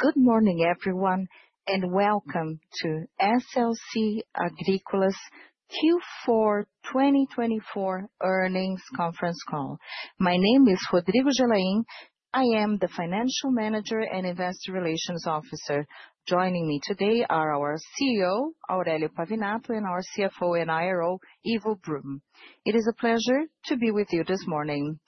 Good morning, everyone, and welcome to SLC Agrícola's Q4 2024 earnings conference call. My name is Rodrigo Gelain. I am the Financial Manager and Investor Relations Officer. Joining me today are our CEO, Aurelio Pavinato, and our CFO and IRO, Ivo Brum. It is a pleasure to be with you this morning.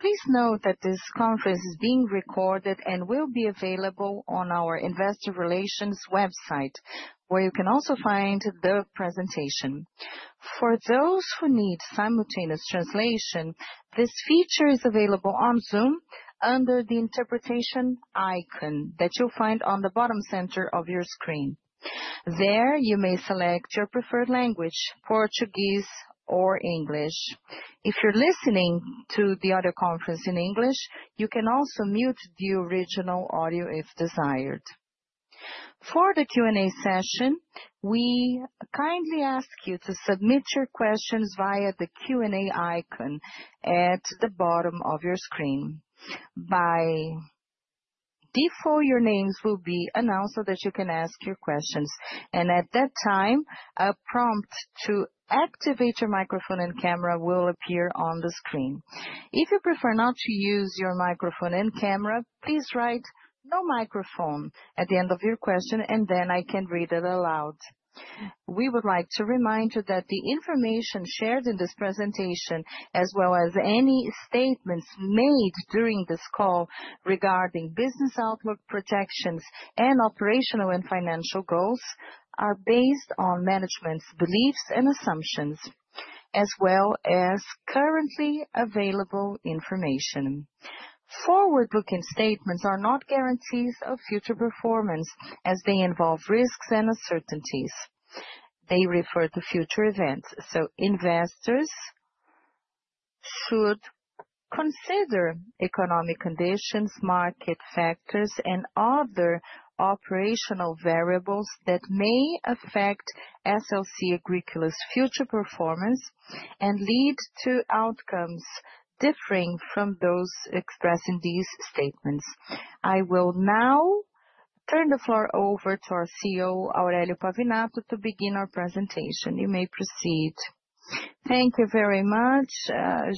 Please note that this conference is being recorded and will be available on our Investor Relations website, where you can also find the presentation. For those who need simultaneous translation, this feature is available on Zoom under the interpretation icon that you'll find on the bottom center of your screen. There you may select your preferred language: Portuguese or English. If you're listening to the audio conference in English, you can also mute the original audio if desired. For the Q&A session, we kindly ask you to submit your questions via the Q&A icon at the bottom of your screen. By default, your names will be announced so that you can ask your questions. At that time, a prompt to activate your microphone and camera will appear on the screen. If you prefer not to use your microphone and camera, please write "no microphone" at the end of your question, and then I can read it aloud. We would like to remind you that the information shared in this presentation, as well as any statements made during this call regarding business outlook, projections, and operational and financial goals, are based on management's beliefs and assumptions, as well as currently available information. Forward-looking statements are not guarantees of future performance, as they involve risks and uncertainties. They refer to future events. Investors should consider economic conditions, market factors, and other operational variables that may affect SLC Agrícola's future performance and lead to outcomes differing from those expressed in these statements. I will now turn the floor over to our CEO, Aurelio Pavinato, to begin our presentation. You may proceed. Thank you very much,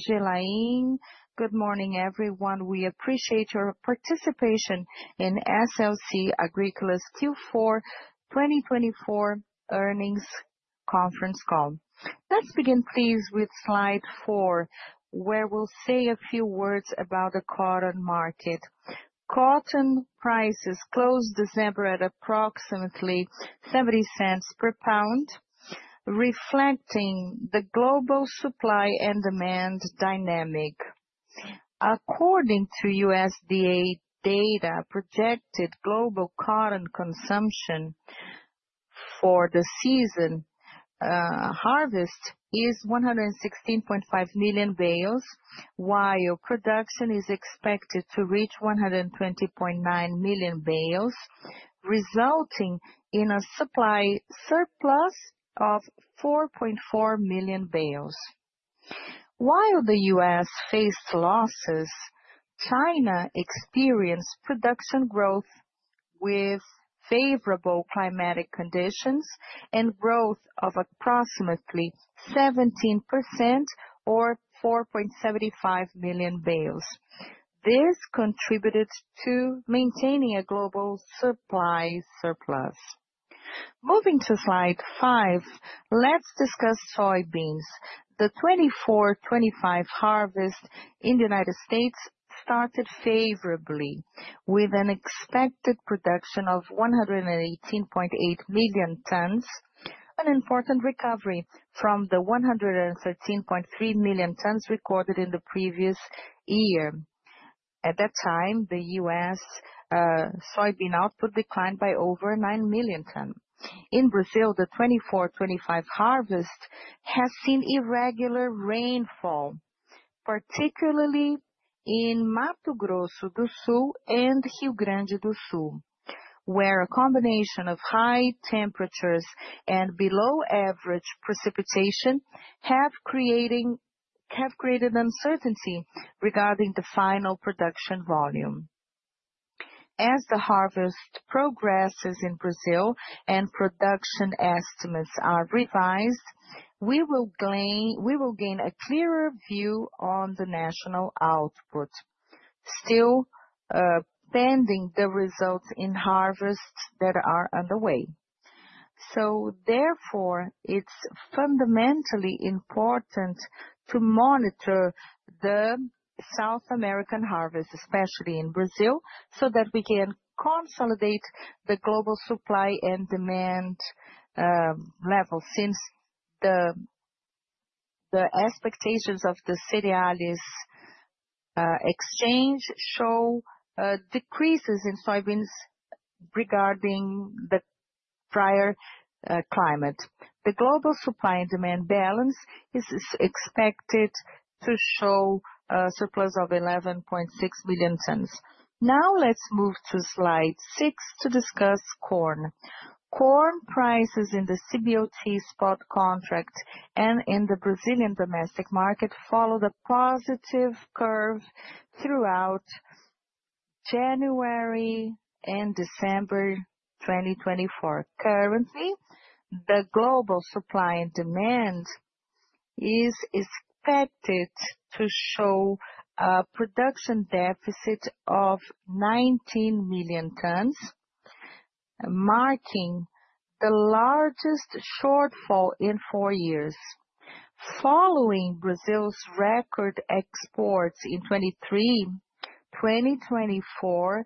Gelain. Good morning, everyone. We appreciate your participation in SLC Agrícola's Q4 2024 earnings conference call. Let's begin, please, with slide four, where we'll say a few words about the cotton market. Cotton prices closed December at approximately $0.70 per pound, reflecting the global supply and demand dynamic. According to USDA data, projected global cotton consumption for the season harvest is 116.5 million bales, while production is expected to reach 120.9 million bales, resulting in a supply surplus of 4.4 million bales. While the U.S. faced losses, China experienced production growth with favorable climatic conditions and growth of approximately 17% or 4.75 million bales. This contributed to maintaining a global supply surplus. Moving to slide five, let's discuss soybeans. The 2024-2025 harvest in the United States started favorably, with an expected production of 118.8 million tons, an important recovery from the 113.3 million tons recorded in the previous year. At that time, the U.S. soybean output declined by over 9 million tons. In Brazil, the 2024-2025 harvest has seen irregular rainfall, particularly in Mato Grosso do Sul and Rio Grande do Sul, where a combination of high temperatures and below-average precipitation have created uncertainty regarding the final production volume. As the harvest progresses in Brazil and production estimates are revised, we will gain a clearer view on the national output, still pending the results in harvests that are underway. Therefore, it is fundamentally important to monitor the South American harvest, especially in Brazil, so that we can consolidate the global supply and demand levels, since the expectations of the Cereales Exchange show decreases in soybeans regarding the prior climate. The global supply and demand balance is expected to show a surplus of 11.6 million tons. Now let's move to slide six to discuss corn. Corn prices in the CBOT spot contract and in the Brazilian domestic market followed a positive curve throughout January and December 2024. Currently, the global supply and demand is expected to show a production deficit of 19 million tons, marking the largest shortfall in four years. Following Brazil's record exports in 2023, 2024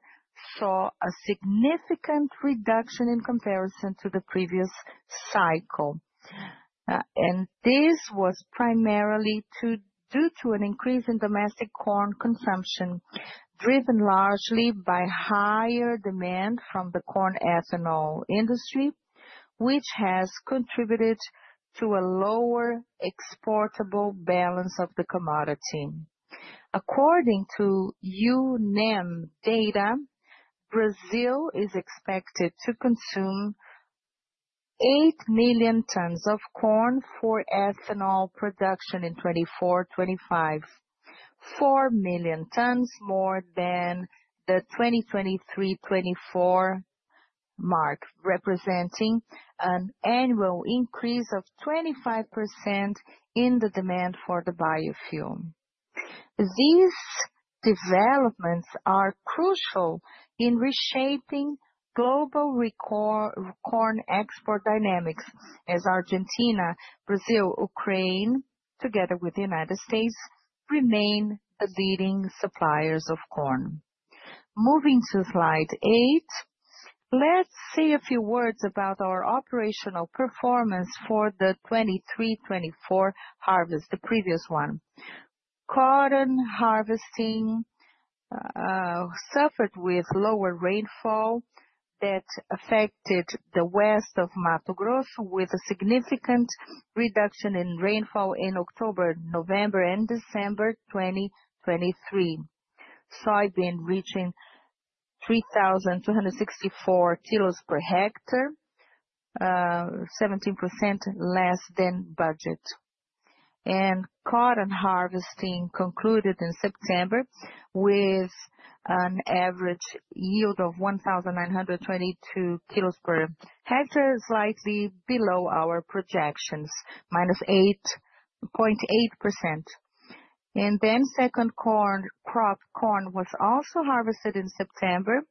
saw a significant reduction in comparison to the previous cycle. This was primarily due to an increase in domestic corn consumption driven largely by higher demand from the corn ethanol industry, which has contributed to a lower exportable balance of the commodity. According to UNEM data, Brazil is expected to consume 8 million tons of corn for ethanol production in 2024-2025, 4 million tons more than the 2023-2024 mark, representing an annual increase of 25% in the demand for the biofuel. These developments are crucial in reshaping global corn export dynamics, as Argentina, Brazil, Ukraine, together with the United States, remain the leading suppliers of corn. Moving to slide eight, let's say a few words about our operational performance for the 2023-2024 harvest, the previous one. Cotton harvesting suffered with lower rainfall that affected the west of Mato Grosso, with a significant reduction in rainfall in October, November, and December 2023. Soybean reaching 3,264 Kg per hectare, 17% less than budget. Cotton harvesting concluded in September with an average yield of 1,922 Kg per hectare, slightly below our projections, -8.8%. Second crop corn was also harvested in September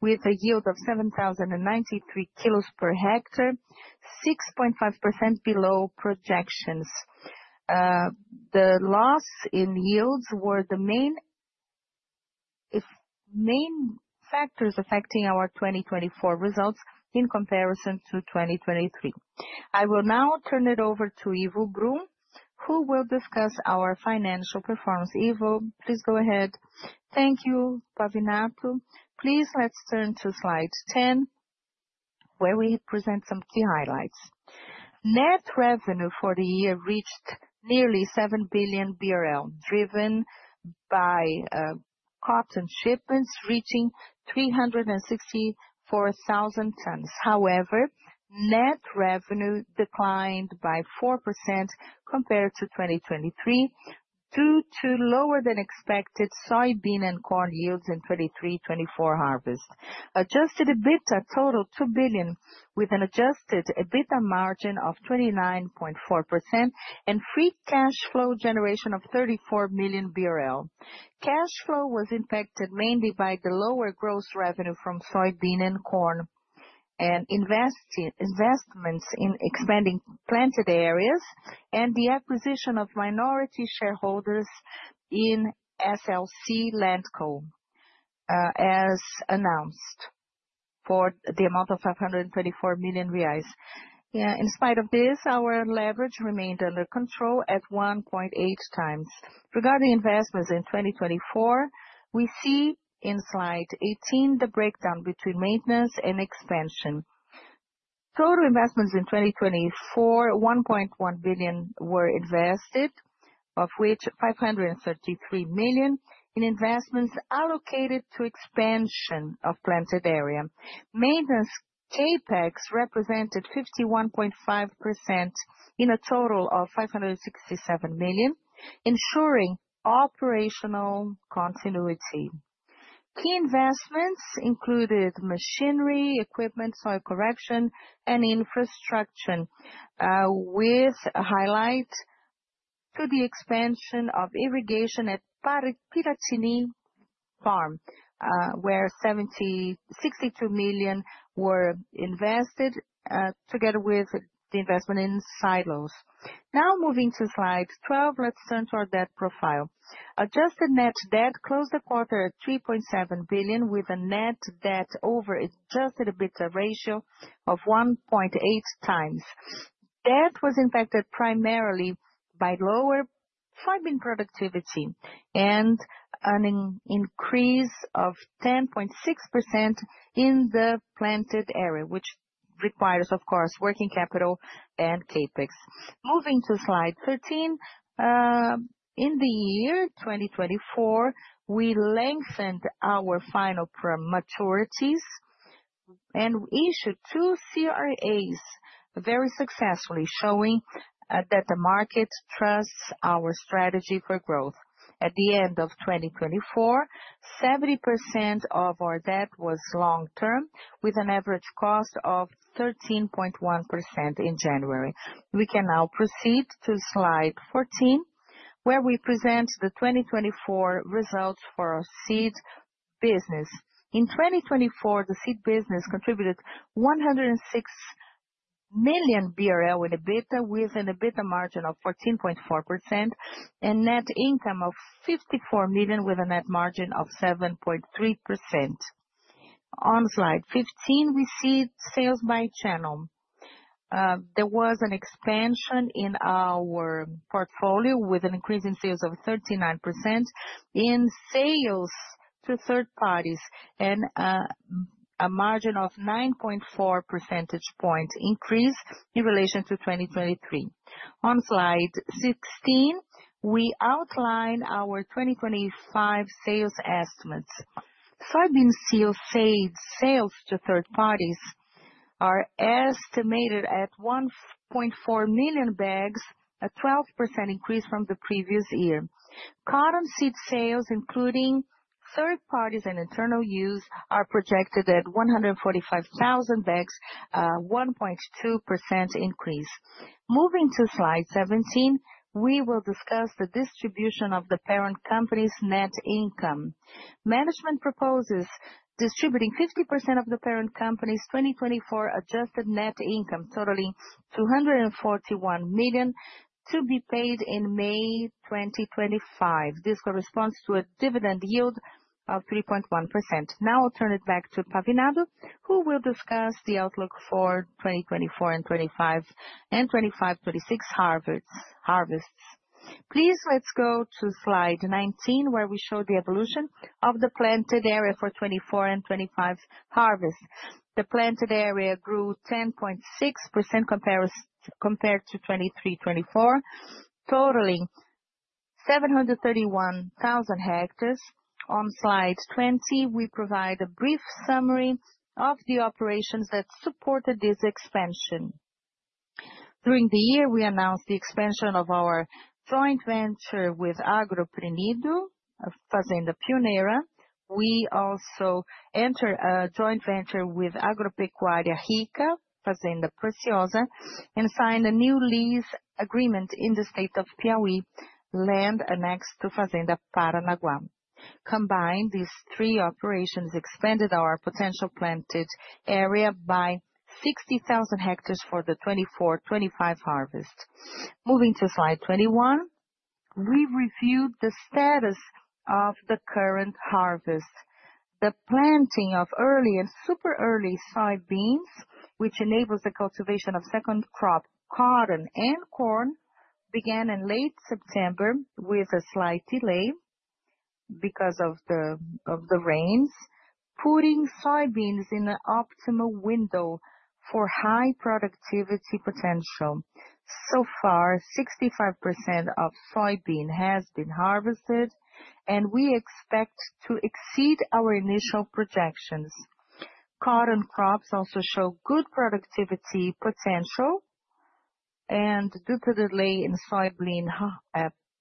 with a yield of 7,093 Kg per hectare, 6.5% below projections. The loss in yields were the main factors affecting our 2024 results in comparison to 2023. I will now turn it over to Ivo Brum, who will discuss our financial performance. Ivo, please go ahead. Thank you, Pavinato. Please let's turn to slide 10, where we present some key highlights. Net revenue for the year reached nearly 7 billion BRL, driven by cotton shipments reaching 364,000 tons. However, net revenue declined by 4% compared to 2023 due to lower than expected soybean and corn yields in 2023-2024 harvest. Adjusted EBITDA total 2 billion, with an adjusted EBITDA margin of 29.4% and free cash flow generation of 34 million BRL. Cash flow was impacted mainly by the lower gross revenue from soybean and corn and investments in expanding planted areas and the acquisition of minority shareholders in SLC LandCo, as announced for the amount of 534 million reais. In spite of this, our leverage remained under control at 1.8x. Regarding investments in 2024, we see in slide 18 the breakdown between maintenance and expansion. Total investments in 2024, 1.1 billion were invested, of which 533 million in investments allocated to expansion of planted area. Maintenance CAPEX represented 51.5% in a total of 567 million, ensuring operational continuity. Key investments included machinery, equipment, soil correction, and infrastructure, with a highlight to the expansion of irrigation at Piratini Farm, where 62 million were invested, together with the investment in silos. Now moving to slide 12, let's turn to our debt profile. Adjusted net debt closed the quarter at 3.7 billion, with a net debt over adjusted EBITDA ratio of 1.8x. Debt was impacted primarily by lower soybean productivity and an increase of 10.6% in the planted area, which requires, of course, working capital and CAPEX. Moving to slide 13, in the year 2024, we lengthened our final maturities and issued two CRAs very successfully, showing that the market trusts our strategy for growth. At the end of 2024, 70% of our debt was long-term, with an average cost of 13.1% in January. We can now proceed to slide 14, where we present the 2024 results for seed business. In 2024, the seed business contributed 106 million BRL in EBITDA, with an EBITDA margin of 14.4%, and net income of 54 million, with a net margin of 7.3%. On slide 15, we see sales by channel. There was an expansion in our portfolio, with an increase in sales of 39% in sales to third parties and a margin of 9.4 percentage points increase in relation to 2023. On slide 16, we outline our 2025 sales estimates. Soybean seed sales to third parties are estimated at 1.4 million bags, a 12% increase from the previous year. Cotton seed sales, including third parties and internal use, are projected at 145,000 bags, a 1.2% increase. Moving to slide 17, we will discuss the distribution of the parent company's net income. Management proposes distributing 50% of the parent company's 2024 adjusted net income, totaling 241 million, to be paid in May 2025. This corresponds to a dividend yield of 3.1%. Now I'll turn it back to Pavinato, who will discuss the outlook for 2024 and 2025 and 2025-26 harvests. Please let's go to slide 19, where we show the evolution of the planted area for 2024 and 2025 harvests. The planted area grew 10.6% compared to 2023-2024, totaling 731,000 hectares. On slide 20, we provide a brief summary of the operations that supported this expansion. During the year, we announced the expansion of our joint venture with Agro Pródigo, Fazenda Pioneira. We also entered a joint venture with Agropecuária Rica, Fazenda Preciosa, and signed a new lease agreement in the state of Piauí, land annexed to Fazenda Paranaguá. Combined, these three operations expanded our potential planted area by 60,000 hectares for the 2024-2025 harvest. Moving to slide 21, we reviewed the status of the current harvest. The planting of early and super early soybeans, which enables the cultivation of second crop cotton and corn, began in late September with a slight delay because of the rains, putting soybeans in an optimal window for high productivity potential. So far, 65% of soybean has been harvested, and we expect to exceed our initial projections. Cotton crops also show good productivity potential, and due to the delay in soybean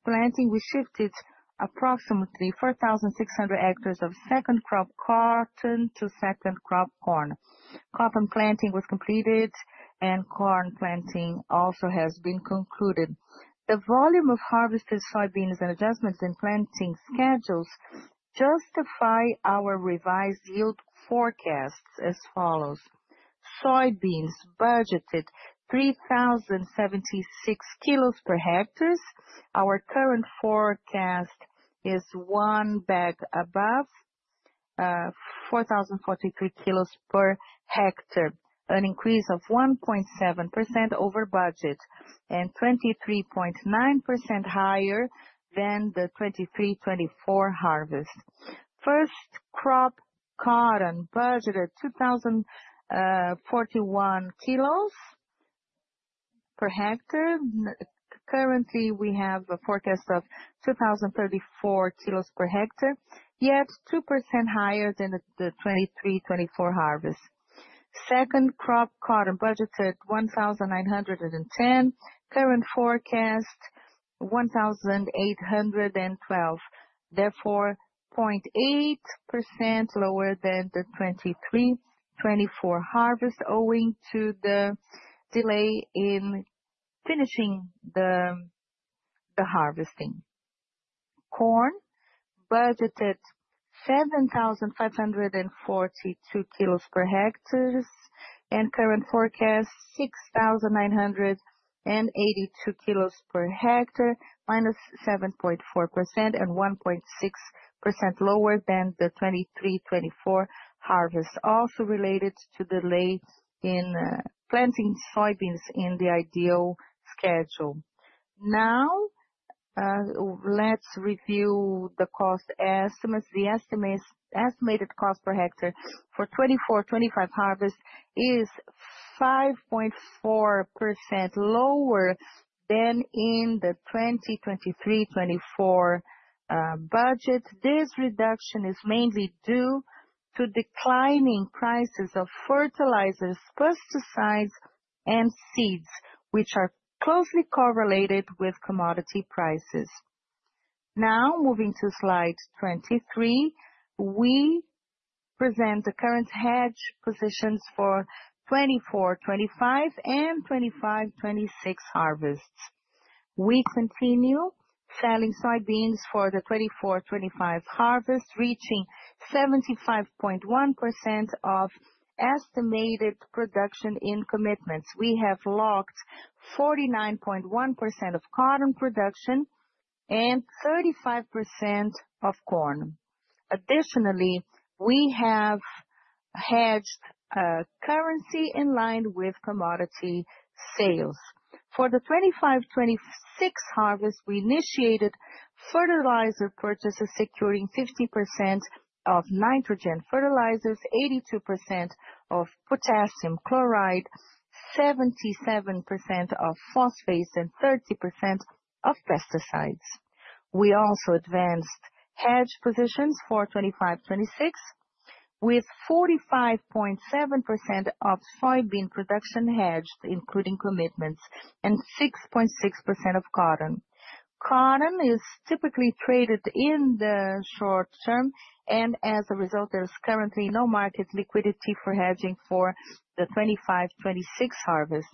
planting, we shifted approximately 4,600 hectares of second crop cotton to second crop corn. Cotton planting was completed, and corn planting also has been concluded. The volume of harvested soybeans and adjustments in planting schedules justify our revised yield forecasts as follows. Soybeans budgeted 3,076 Kg per hectare. Our current forecast is one bag above, 4,043 Kg per hectare, an increase of 1.7% over budget and 23.9% higher than the 2023-2024 harvest. First crop cotton budgeted 2,041 Kg per hectare. Currently, we have a forecast of 2,034 Kg per hectare, yet 2% higher than the 2023-2024 harvest. Second crop cotton budgeted 1,910. Current forecast 1,812. Therefore, 0.8% lower than the 2023-2024 harvest, owing to the delay in finishing the harvesting. Corn budgeted 7,542 Kg per hectare and current forecast 6,982 Kg per hectare, minus 7.4% and 1.6% lower than the 2023-2024 harvest, also related to delay in planting soybeans in the ideal schedule. Now, let's review the cost estimates. The estimated cost per hectare for 2024-2025 harvest is 5.4% lower than in the 2023-2024 budget. This reduction is mainly due to declining prices of fertilizers, pesticides, and seeds, which are closely correlated with commodity prices. Now, moving to slide 23, we present the current hedge positions for 2024-2025 and 2025-2026 harvests. We continue selling soybeans for the 2024-2025 harvest, reaching 75.1% of estimated production in commitments. We have locked 49.1% of cotton production and 35% of corn. Additionally, we have hedged currency in line with commodity sales. For the 2025-2026 harvest, we initiated fertilizer purchases, securing 50% of nitrogen fertilizers, 82% of potassium chloride, 77% of phosphates, and 30% of pesticides. We also advanced hedge positions for 2025-2026, with 45.7% of soybean production hedged, including commitments, and 6.6% of cotton. Cotton is typically traded in the short-term, and as a result, there is currently no market liquidity for hedging for the 2025-2026 harvest.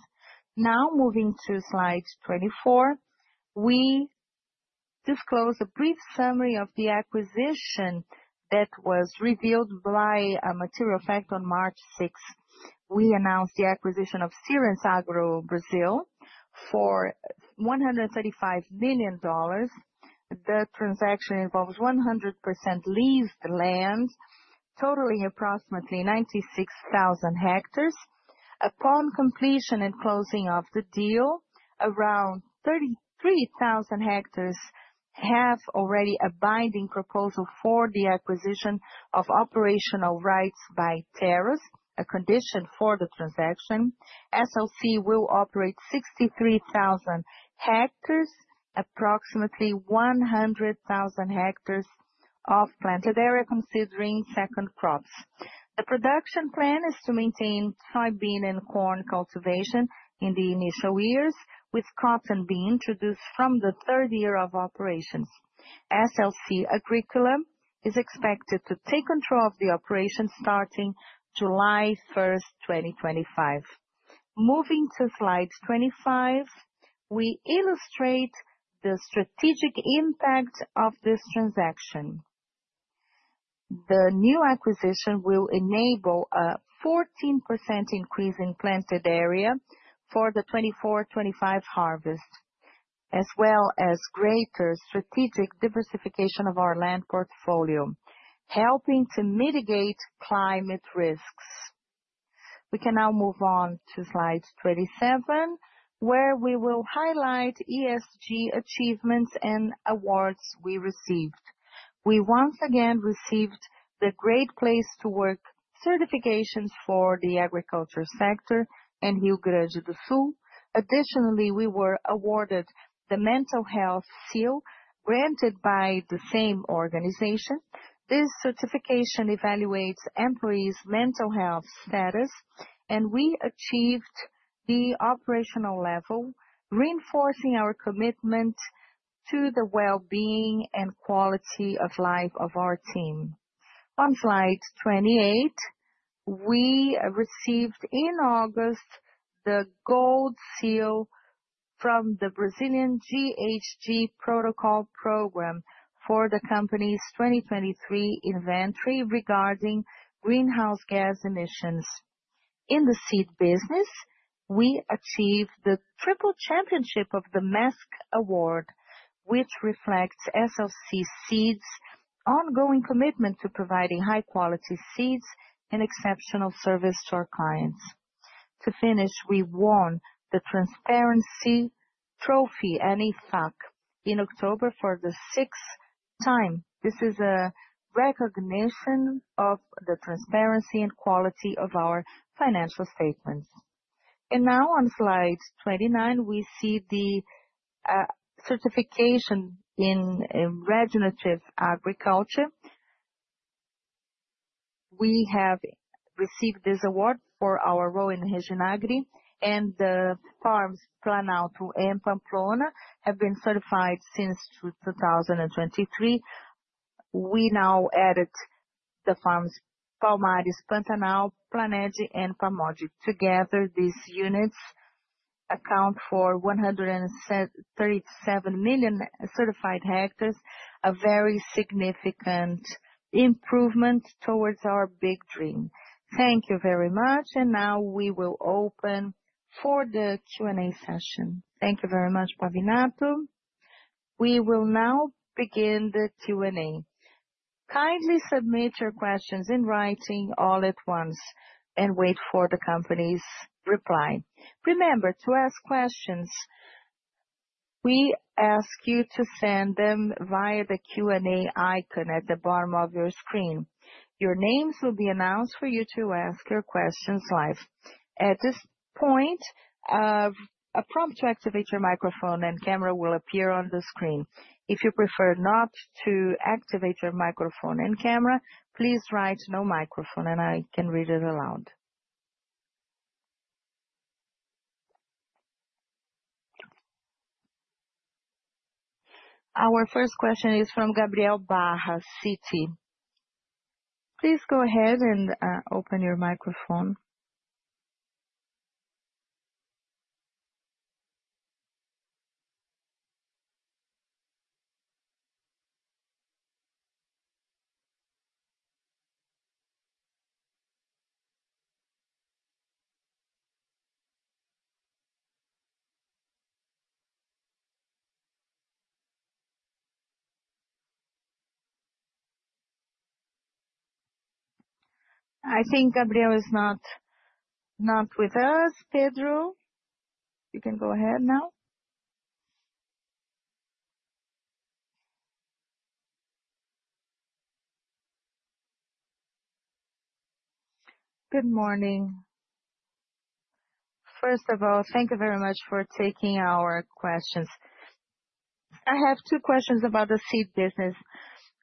Now, moving to slide 24, we disclose a brief summary of the acquisition that was revealed by a material fact on March 6. We announced the acquisition of Sirius Agro Brazil for $135 million. The transaction involves 100% leased land, totaling approximately 96,000 hectares. Upon completion and closing of the deal, around 33,000 hectares have already a binding proposal for the acquisition of operational rights by TEROS, a condition for the transaction. SLC will operate 63,000 hectares, approximately 100,000 hectares of planted area, considering second crops. The production plan is to maintain soybean and corn cultivation in the initial years, with cotton being introduced from the third year of operations. SLC Agrícola is expected to take control of the operation starting July 1, 2025. Moving to slide 25, we illustrate the strategic impact of this transaction. The new acquisition will enable a 14% increase in planted area for the 2024-2025 harvest, as well as greater strategic diversification of our land portfolio, helping to mitigate climate risks. We can now move on to slide 27, where we will highlight ESG achievements and awards we received. We once again received the Great Place to Work certifications for the agriculture sector and Rio Grande do Sul. Additionally, we were awarded the Mental Health Seal, granted by the same organization. This certification evaluates employees' mental health status, and we achieved the operational level, reinforcing our commitment to the well-being and quality of life of our team. On slide 28, we received, in August, the Gold Seal from the Brazilian GHG Protocol Program for the company's 2023 inventory regarding greenhouse gas emissions. In the seed business, we achieved the Triple Championship of the MESC Award, which reflects SLC Seed's ongoing commitment to providing high-quality seeds and exceptional service to our clients. To finish, we won the Transparency Trophy, an IFAC, in October for the sixth time. This is a recognition of the transparency and quality of our financial statements. Now, on slide 29, we see the certification in Regenerative Agriculture. We have received this award for our role in Reginagri, and the farms Planalto and Pamplona have been certified since 2023. We now added the farms Palmares, Pantanal, Planede, and Pamode. Together, these units account for 137,000,000 certified hectares, a very significant improvement towards our big dream. Thank you very much, and now we will open for the Q&A session. Thank you very much, Pavinato. We will now begin the Q&A. Kindly submit your questions in writing all at once and wait for the company's reply. Remember to ask questions. We ask you to send them via the Q&A icon at the bottom of your screen. Your names will be announced for you to ask your questions live. At this point, a prompt to activate your microphone and camera will appear on the screen. If you prefer not to activate your microphone and camera, please write "no microphone," and I can read it aloud. Our first question is from Gabriel Barra, Citi. Please go ahead and open your microphone. I think Gabriel is not with us. Pedro, you can go ahead now. Good morning. First of all, thank you very much for taking our questions. I have two questions about the seed business.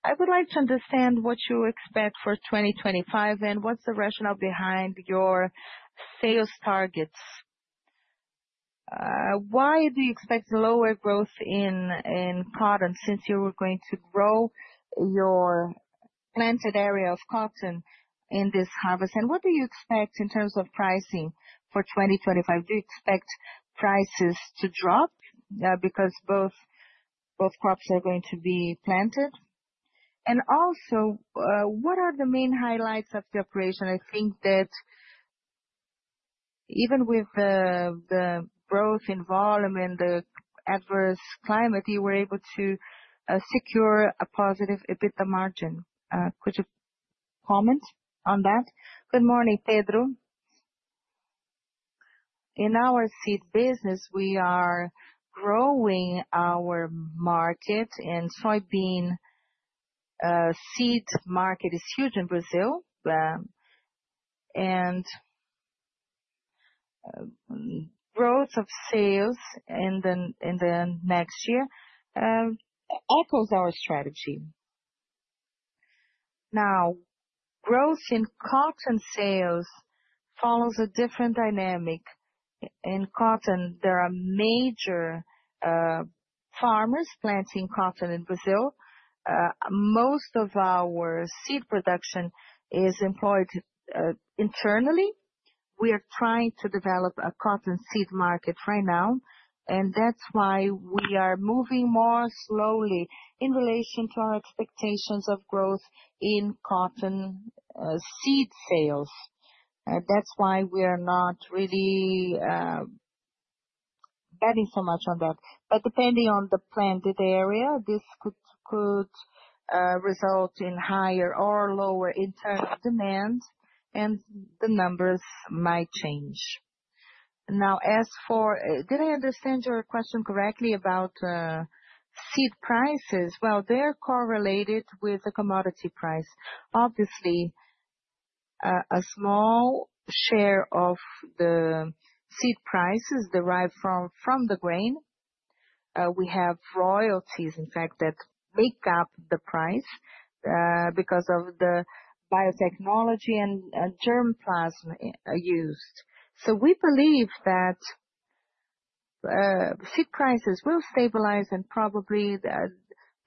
I would like to understand what you expect for 2025 and what's the rationale behind your sales targets. Why do you expect lower growth in cotton since you were going to grow your planted area of cotton in this harvest? What do you expect in terms of pricing for 2025? Do you expect prices to drop because both crops are going to be planted? Also, what are the main highlights of the operation? I think that even with the growth in volume and the adverse climate, you were able to secure a positive EBITDA margin. Could you comment on that? Good morning, Pedro.In our seed business, we are growing our market, and soybean seed market is huge in Brazil. Growth of sales in the next year echoes our strategy. Now, growth in cotton sales follows a different dynamic. In cotton, there are major farmers planting cotton in Brazil. Most of our seed production is employed internally. We are trying to develop a cotton seed market right now, and that is why we are moving more slowly in relation to our expectations of growth in cotton seed sales. That is why we are not really betting so much on that. Depending on the planted area, this could result in higher or lower internal demand, and the numbers might change. Now, as for did I understand your question correctly about seed prices? They are correlated with the commodity price. Obviously, a small share of the seed prices derive from the grain. We have royalties, in fact, that make up the price because of the biotechnology and germplasm used. We believe that seed prices will stabilize, and probably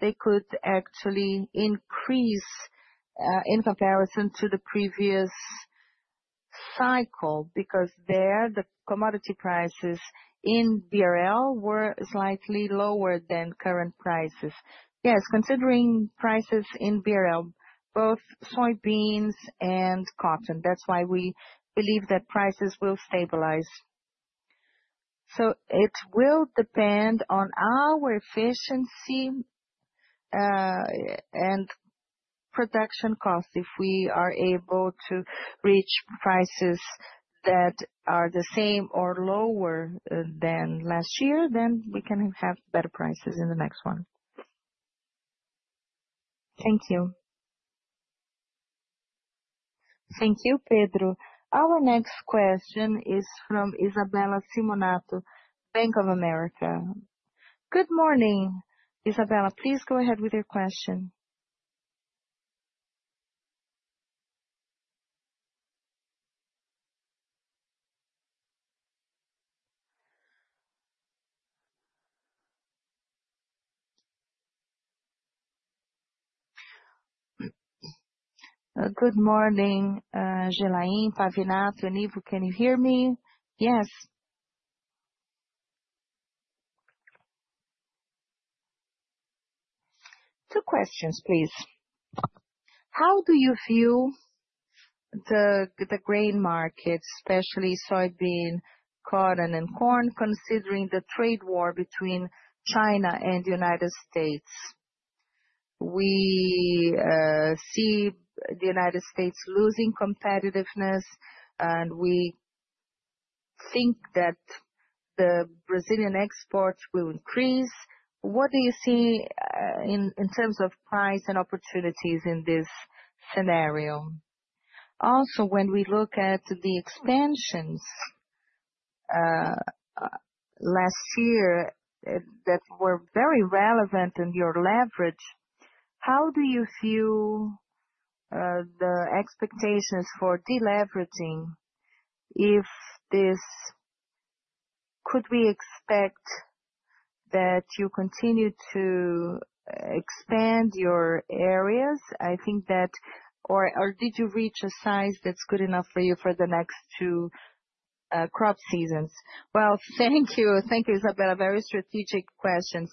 they could actually increase in comparison to the previous cycle because there, the commodity prices in BRL were slightly lower than current prices. Yes, considering prices in BRL, both soybeans and cotton, that's why we believe that prices will stabilize. It will depend on our efficiency and production cost. If we are able to reach prices that are the same or lower than last year, then we can have better prices in the next one. Thank you. Thank you, Pedro. Our next question is from Isabela Simonato, Bank of America. Good morning, Isabela. Please go ahead with your question. Good morning, Gelain, Pavinato, and Ivo. Can you hear me? Yes. Two questions, please. How do you view the grain market, especially soybean, cotton, and corn, considering the trade war between China and the United States? We see the United States losing competitiveness, and we think that the Brazilian exports will increase. What do you see in terms of price and opportunities in this scenario? Also, when we look at the expansions last year that were very relevant in your leverage, how do you view the expectations for deleveraging? Could we expect that you continue to expand your areas? I think that, or did you reach a size that's good enough for you for the next two crop seasons? Thank you. Thank you, Isabela. Very strategic questions.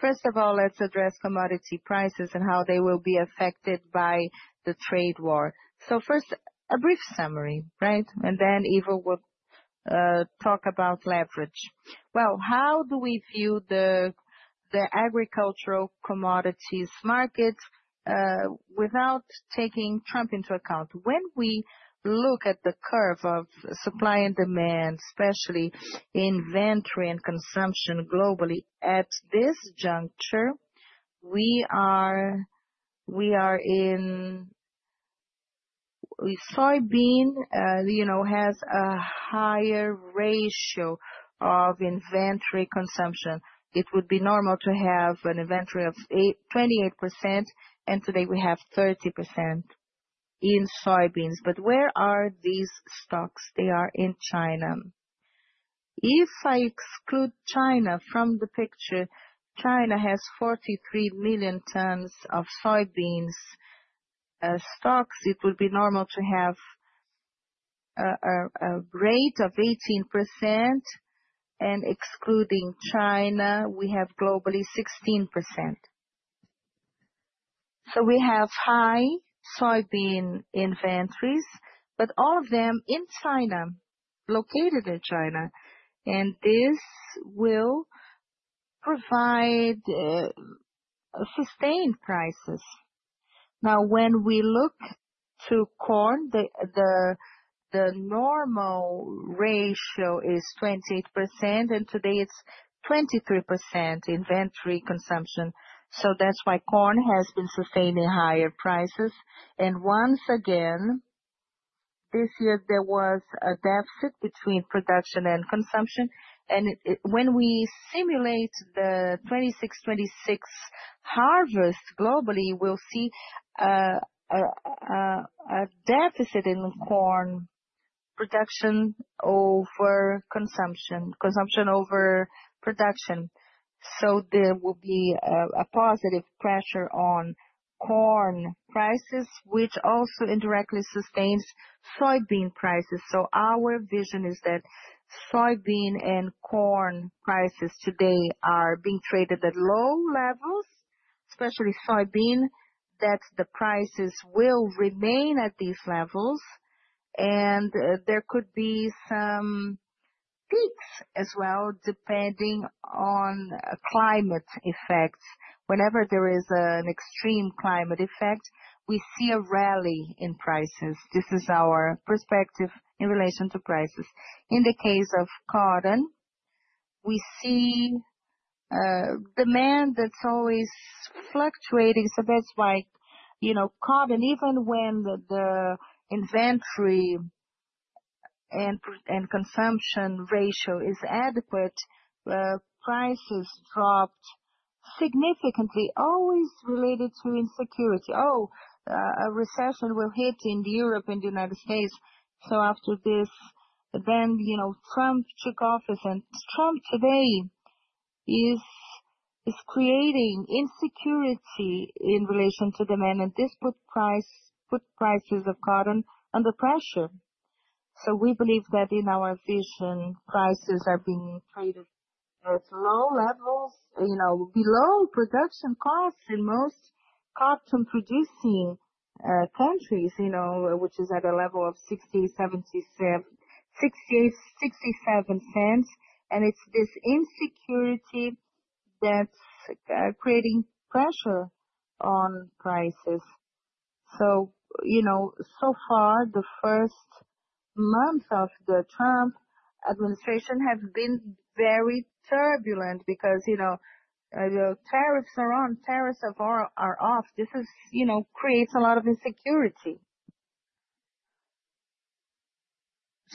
First of all, let's address commodity prices and how they will be affected by the trade war. First, a brief summary, right? Then Ivo will talk about leverage. How do we view the agricultural commodities market without taking Trump into account? When we look at the curve of supply and demand, especially inventory and consumption globally, at this juncture, soybean, you know, has a higher ratio of inventory consumption. It would be normal to have an inventory of 28%, and today we have 30% in soybeans. Where are these stocks? They are in China. If I exclude China from the picture, China has 43 million tons of soybean stocks. It would be normal to have a rate of 18%, and excluding China, we have globally 16%. We have high soybean inventories, but all of them in China, located in China, and this will provide sustained prices. Now, when we look to corn, the normal ratio is 28%, and today it's 23% inventory consumption. That's why corn has been sustaining higher prices. Once again, this year there was a deficit between production and consumption. When we simulate the 2026 harvest globally, we'll see a deficit in corn production over consumption, consumption over production. There will be a positive pressure on corn prices, which also indirectly sustains soybean prices. Our vision is that soybean and corn prices today are being traded at low levels, especially soybean, that the prices will remain at these levels. There could be some peaks as well, depending on climate effects. Whenever there is an extreme climate effect, we see a rally in prices. This is our perspective in relation to prices. In the case of cotton, we see demand that's always fluctuating. That's why, you know, cotton, even when the inventory and consumption ratio is adequate, prices dropped significantly, always related to insecurity. Oh, a recession will hit in Europe and the United States. After this, then, you know, Trump took office, and Trump today is creating insecurity in relation to demand, and this put prices of cotton under pressure. We believe that in our vision, prices are being traded at low levels, you know, below production costs in most cotton-producing countries, which is at a level of 67 cents. It's this insecurity that's creating pressure on prices. You know, so far, the first month of the Trump administration has been very turbulent because, you know, the tariffs are on, tariffs are off. This is, you know, creates a lot of insecurity.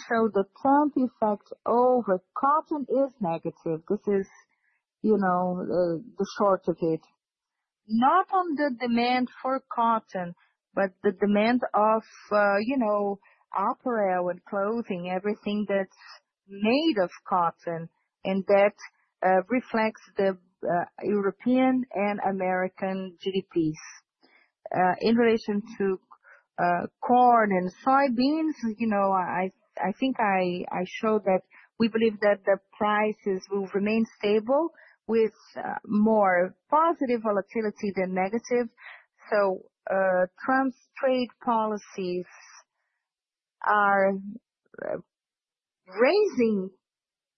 The Trump effect over cotton is negative. This is, you know, the short of it. Not on the demand for cotton, but the demand of, you know, apparel and clothing, everything that's made of cotton, and that reflects the European and American GDPs. In relation to corn and soybeans, you know, I think I showed that we believe that the prices will remain stable with more positive volatility than negative. Trump's trade policies are raising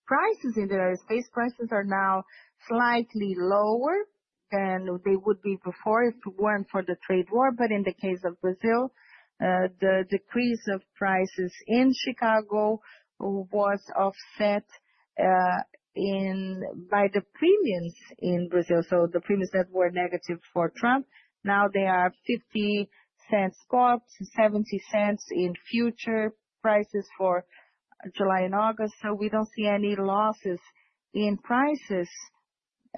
prices in the United States. Prices are now slightly lower than they would be before if it were not for the trade war. In the case of Brazil, the decrease of prices in Chicago was offset by the premiums in Brazil. The premiums that were negative for Trump, now they are 50 cents up, 70 cents in future prices for July and August. We do not see any losses in prices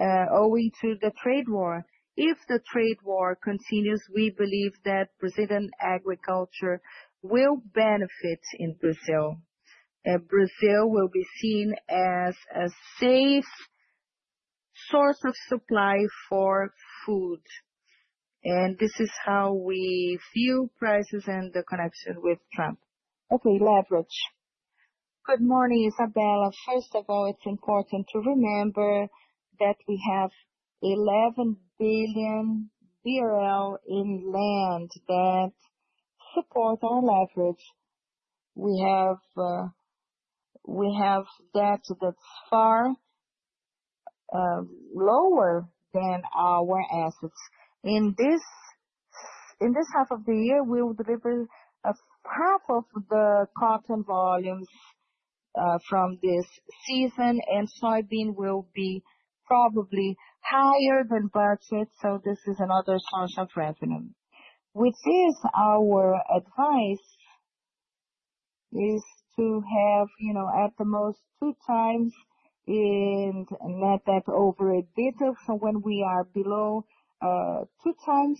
owing to the trade war. If the trade war continues, we believe that Brazilian agriculture will benefit in Brazil. Brazil will be seen as a safe source of supply for food. This is how we view prices and the connection with Trump. Okay, leverage. Good morning, Isabela. First of all, it is important to remember that we have 11 billion in land that support our leverage. We have debt that is far lower than our assets. In this half of the year, we will deliver half of the cotton volumes from this season, and soybean will be probably higher than budget. This is another source of revenue. With this, our advice is to have, you know, at the most two times net debt over EBITDA. When we are below two times,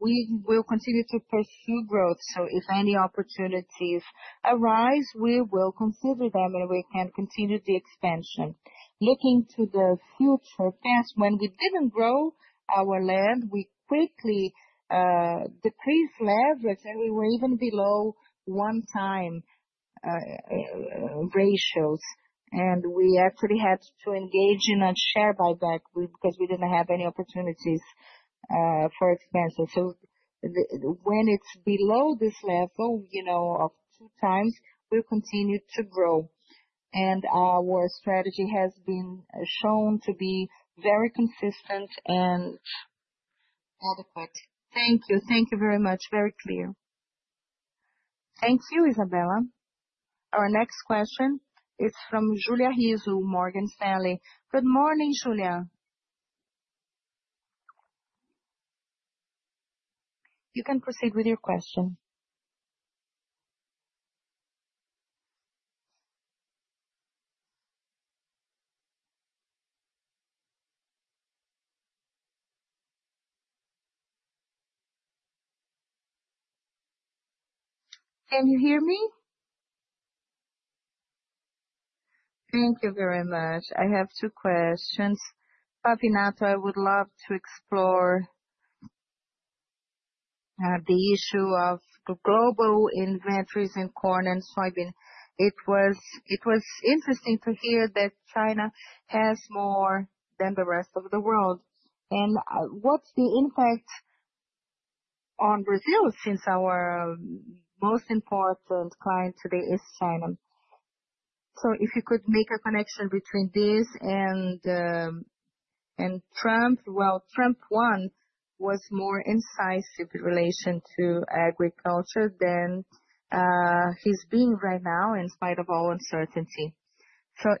we will continue to pursue growth. If any opportunities arise, we will consider them, and we can continue the expansion. Looking to the future, when we did not grow our land, we quickly decreased leverage, and we were even below one-time ratios. We actually had to engage in a share buyback because we did not have any opportunities for expansion. When it is below this level, you know, of two times, we will continue to grow. Our strategy has been shown to be very consistent and adequate. Thank you. Thank you very much. Very clear. Thank you, Isabela. Our next question is from Julia Rizo, Morgan Stanley. Good morning, Julia. You can proceed with your question. Can you hear me? Thank you very much. I have two questions. Pavinato, I would love to explore the issue of global inventories in corn and soybean. It was interesting to hear that China has more than the rest of the world. What is the impact on Brazil since our most important client today is China? If you could make a connection between this and Trump, Trump one was more incisive in relation to agriculture than he is being right now, in spite of all uncertainty.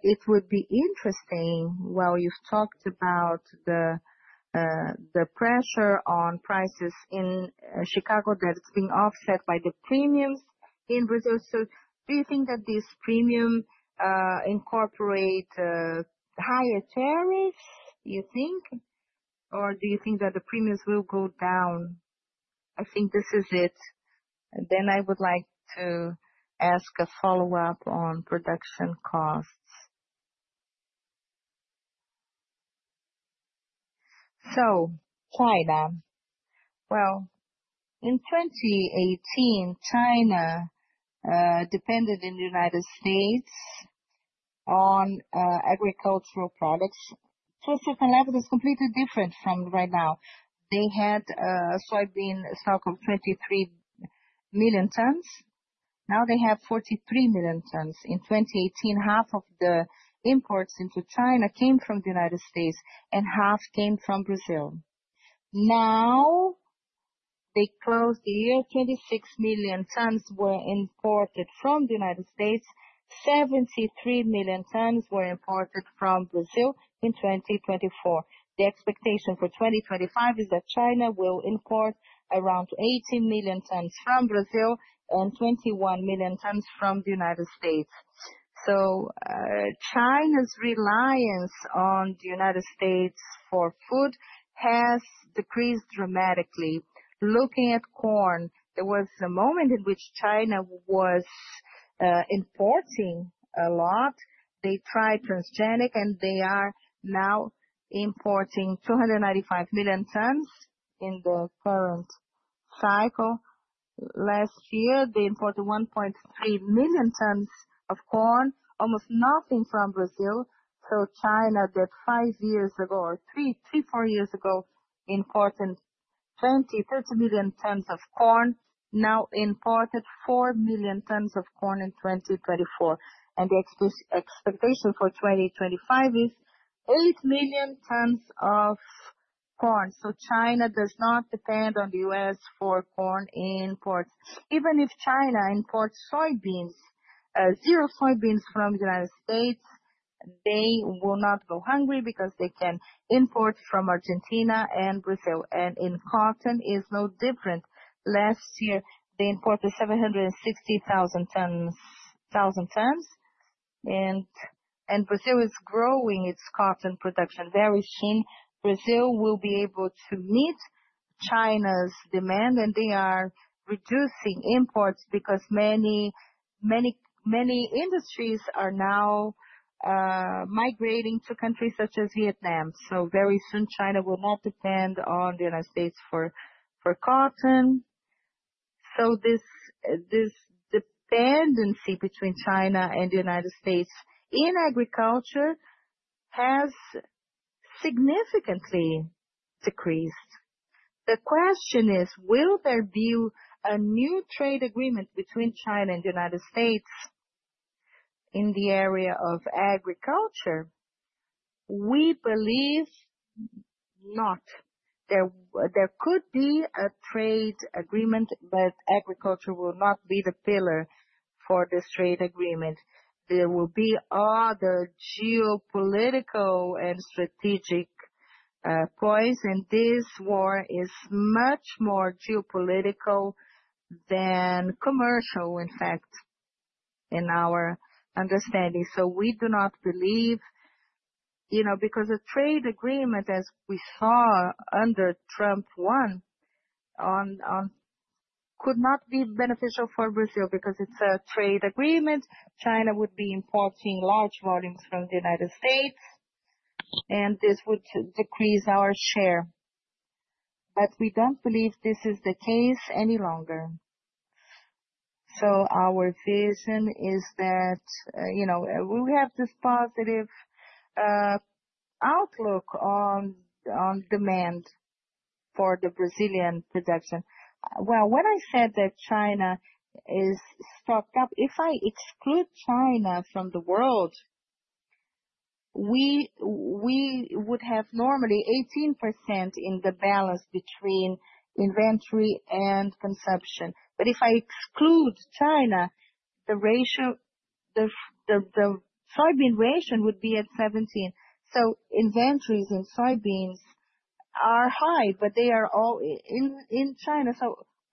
It would be interesting, while you have talked about the pressure on prices in Chicago, that it is being offset by the premiums in Brazil. Do you think that these premiums incorporate higher tariffs, do you think? Or do you think that the premiums will go down? I think this is it. I would like to ask a follow-up on production costs. China, in 2018, depended on the United States on agricultural products. To a certain level, it is completely different from right now. They had soybean stock of 23 million tons. Now they have 43 million tons. In 2018, half of the imports into China came from the United States, and half came from Brazil. Now, they closed the year, 26 million tons were imported from the United States. 73 million tons were imported from Brazil in 2024. The expectation for 2025 is that China will import around 18 million tons from Brazil and 21 million tons from the United States. China's reliance on the United States for food has decreased dramatically. Looking at corn, there was a moment in which China was importing a lot. They tried transgenic, and they are now importing 295 million tons in the current cycle. Last year, they imported 1.3 million tons of corn, almost nothing from Brazil. China did five years ago, or three, four years ago, imported 20-30 million tons of corn, now imported 4 million tons of corn in 2024. The expectation for 2025 is 8 million tons of corn. China does not depend on the U.S. for corn imports. Even if China imports soybeans, zero soybeans from the United States, they will not go hungry because they can import from Argentina and Brazil. In cotton, it is no different. Last year, they imported 760,000 tons. Brazil is growing its cotton production. Very soon, Brazil will be able to meet China's demand, and they are reducing imports because many, many, many industries are now migrating to countries such as Vietnam. Very soon, China will not depend on the United States for cotton. This dependency between China and the United States in agriculture has significantly decreased. The question is, will there be a new trade agreement between China and the United States in the area of agriculture? We believe not. There could be a trade agreement, but agriculture will not be the pillar for this trade agreement. There will be other geopolitical and strategic points, and this war is much more geopolitical than commercial, in fact, in our understanding. We do not believe, you know, because a trade agreement, as we saw under Trump I, could not be beneficial for Brazil because it's a trade agreement. China would be importing large volumes from the United States, and this would decrease our share. We don't believe this is the case any longer. Our vision is that, you know, we have this positive outlook on demand for the Brazilian production. When I said that China is stocked up, if I exclude China from the world, we would have normally 18% in the balance between inventory and consumption. If I exclude China, the soybean ratio would be at 17%. Inventories in soybeans are high, but they are all in China.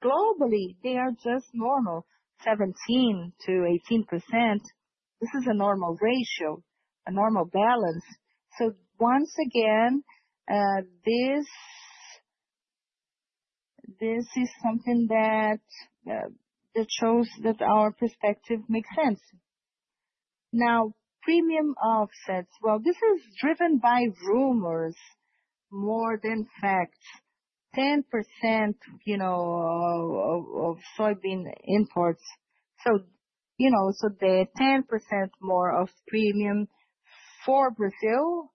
Globally, they are just normal, 17%-18%. This is a normal ratio, a normal balance. Once again, this is something that shows that our perspective makes sense. Now, premium offsets, this is driven by rumors more than facts. 10%, you know, of soybean imports. You know, the 10% more of premium for Brazil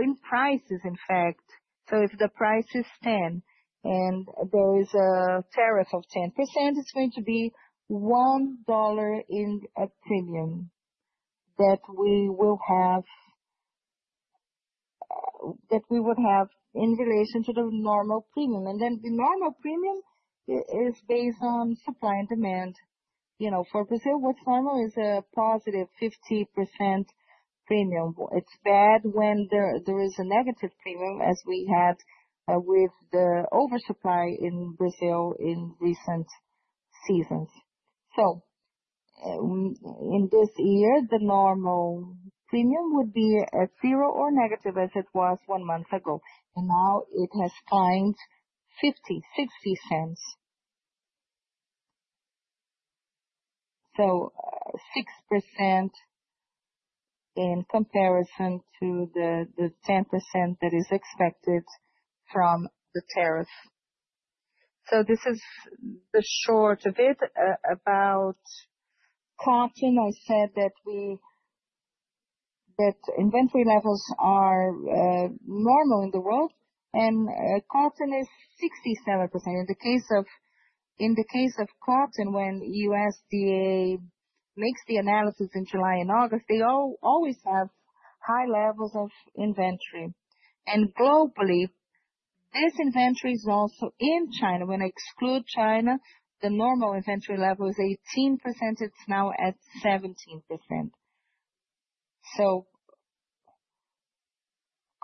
in prices, in fact. If the price is 10 and there is a tariff of 10%, it is going to be $1 in a premium that we will have, that we would have in relation to the normal premium. The normal premium is based on supply and demand. You know, for Brazil, what is normal is a positive 50% premium. It is bad when there is a negative premium, as we had with the oversupply in Brazil in recent seasons. In this year, the normal premium would be at zero or negative as it was one month ago. Now it has climbed 50-60 cents. That is 6% in comparison to the 10% that is expected from the tariff. This is the short of it about cotton. I said that inventory levels are normal in the world, and cotton is 67%. In the case of cotton, when USDA makes the analysis in July and August, they always have high levels of inventory. Globally, this inventory is also in China. When I exclude China, the normal inventory level is 18%. It is now at 17%.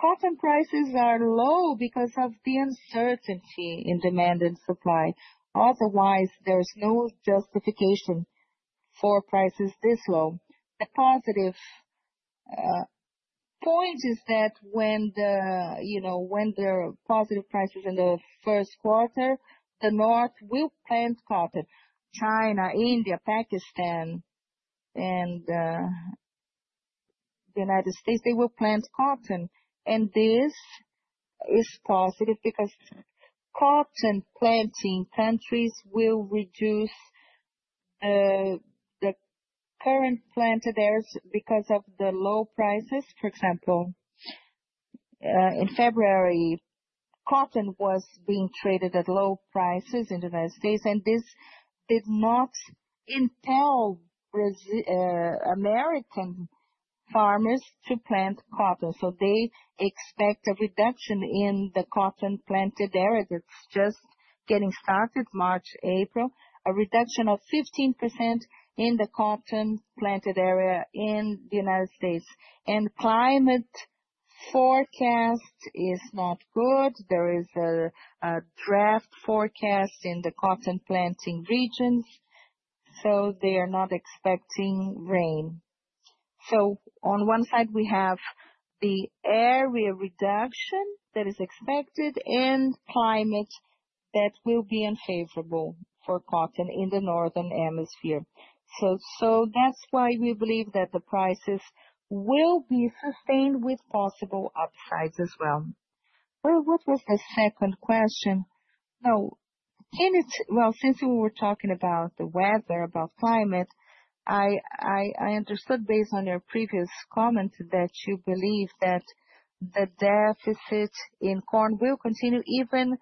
Cotton prices are low because of the uncertainty in demand and supply. Otherwise, there's no justification for prices this low. The positive point is that when, you know, when there are positive prices in the first quarter, the North will plant cotton. China, India, Pakistan, and the United States, they will plant cotton. This is positive because cotton planting countries will reduce the current planted areas because of the low prices. For example, in February, cotton was being traded at low prices in the United States, and this did not entail American farmers to plant cotton. They expect a reduction in the cotton planted area. That's just getting started, March, April, a reduction of 15% in the cotton planted area in the United States. Climate forecast is not good. There is a draft forecast in the cotton planting regions. They are not expecting rain. On one side, we have the area reduction that is expected and climate that will be unfavorable for cotton in the northern hemisphere. That is why we believe that the prices will be sustained with possible upsides as well. What was the second question? Since we were talking about the weather, about climate, I understood based on your previous comment that you believe that the deficit in corn will continue even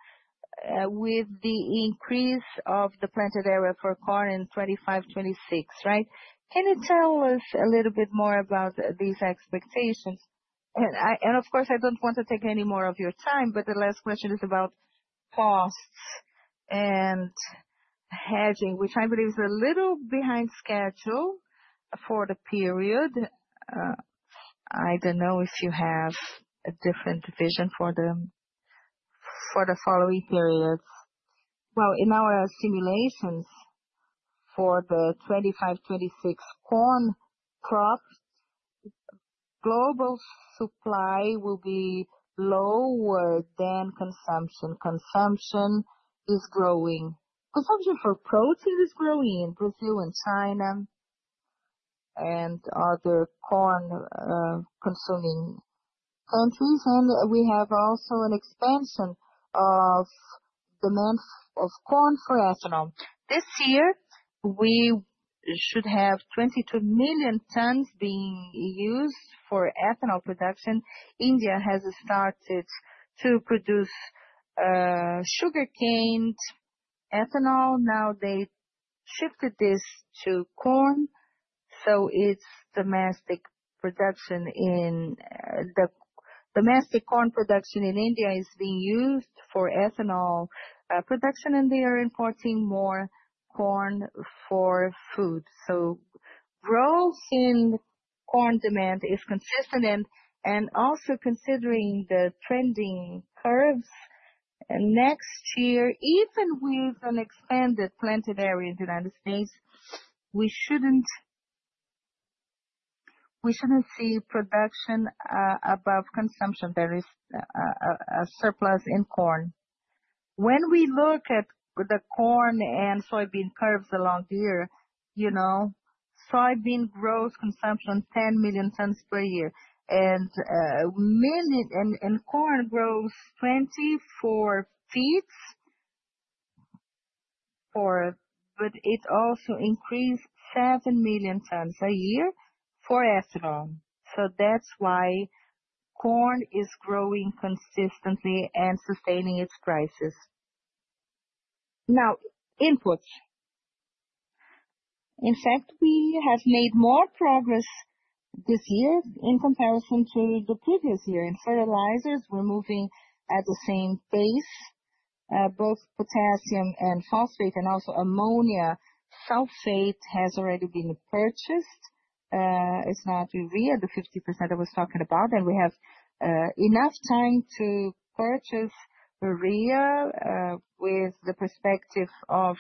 with the increase of the planted area for corn in 2025-2026, right? Can you tell us a little bit more about these expectations? I do not want to take any more of your time, but the last question is about costs and hedging, which I believe is a little behind schedule for the period. I do not know if you have a different vision for the following periods. In our simulations for the 2025-2026 corn crop, global supply will be lower than consumption. Consumption is growing. Consumption for protein is growing in Brazil and China and other corn-consuming countries. We have also an expansion of demand for corn for ethanol. This year, we should have 22 million tons being used for ethanol production. India has started to produce sugarcane ethanol. Now they shifted this to corn. Domestic corn production in India is being used for ethanol production, and they are importing more corn for food. Growth in corn demand is consistent. Also, considering the trending curves, next year, even with an expanded planted area in the United States, we should not see production above consumption. There is a surplus in corn. When we look at the corn and soybean curves along the year, you know, soybean grows consumption 10 million tons per year. And corn grows 24 feet, but it also increased 7 million tons a year for ethanol. That is why corn is growing consistently and sustaining its prices. Now, inputs. In fact, we have made more progress this year in comparison to the previous year. And fertilizers, we are moving at the same pace. Both potassium and phosphate and also ammonium sulfate has already been purchased. It is not urea the 50% I was talking about. We have enough time to purchase urea with the perspective of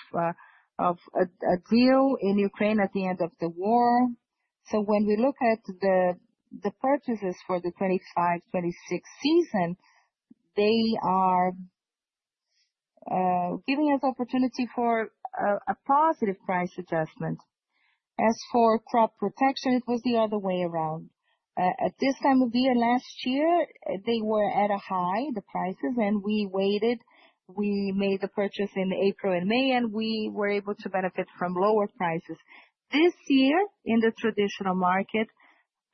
a deal in Ukraine at the end of the war. When we look at the purchases for the 2025-2026 season, they are giving us opportunity for a positive price adjustment. As for crop protection, it was the other way around. At this time of year last year, they were at a high, the prices, and we waited. We made the purchase in April and May, and we were able to benefit from lower prices. This year, in the traditional market,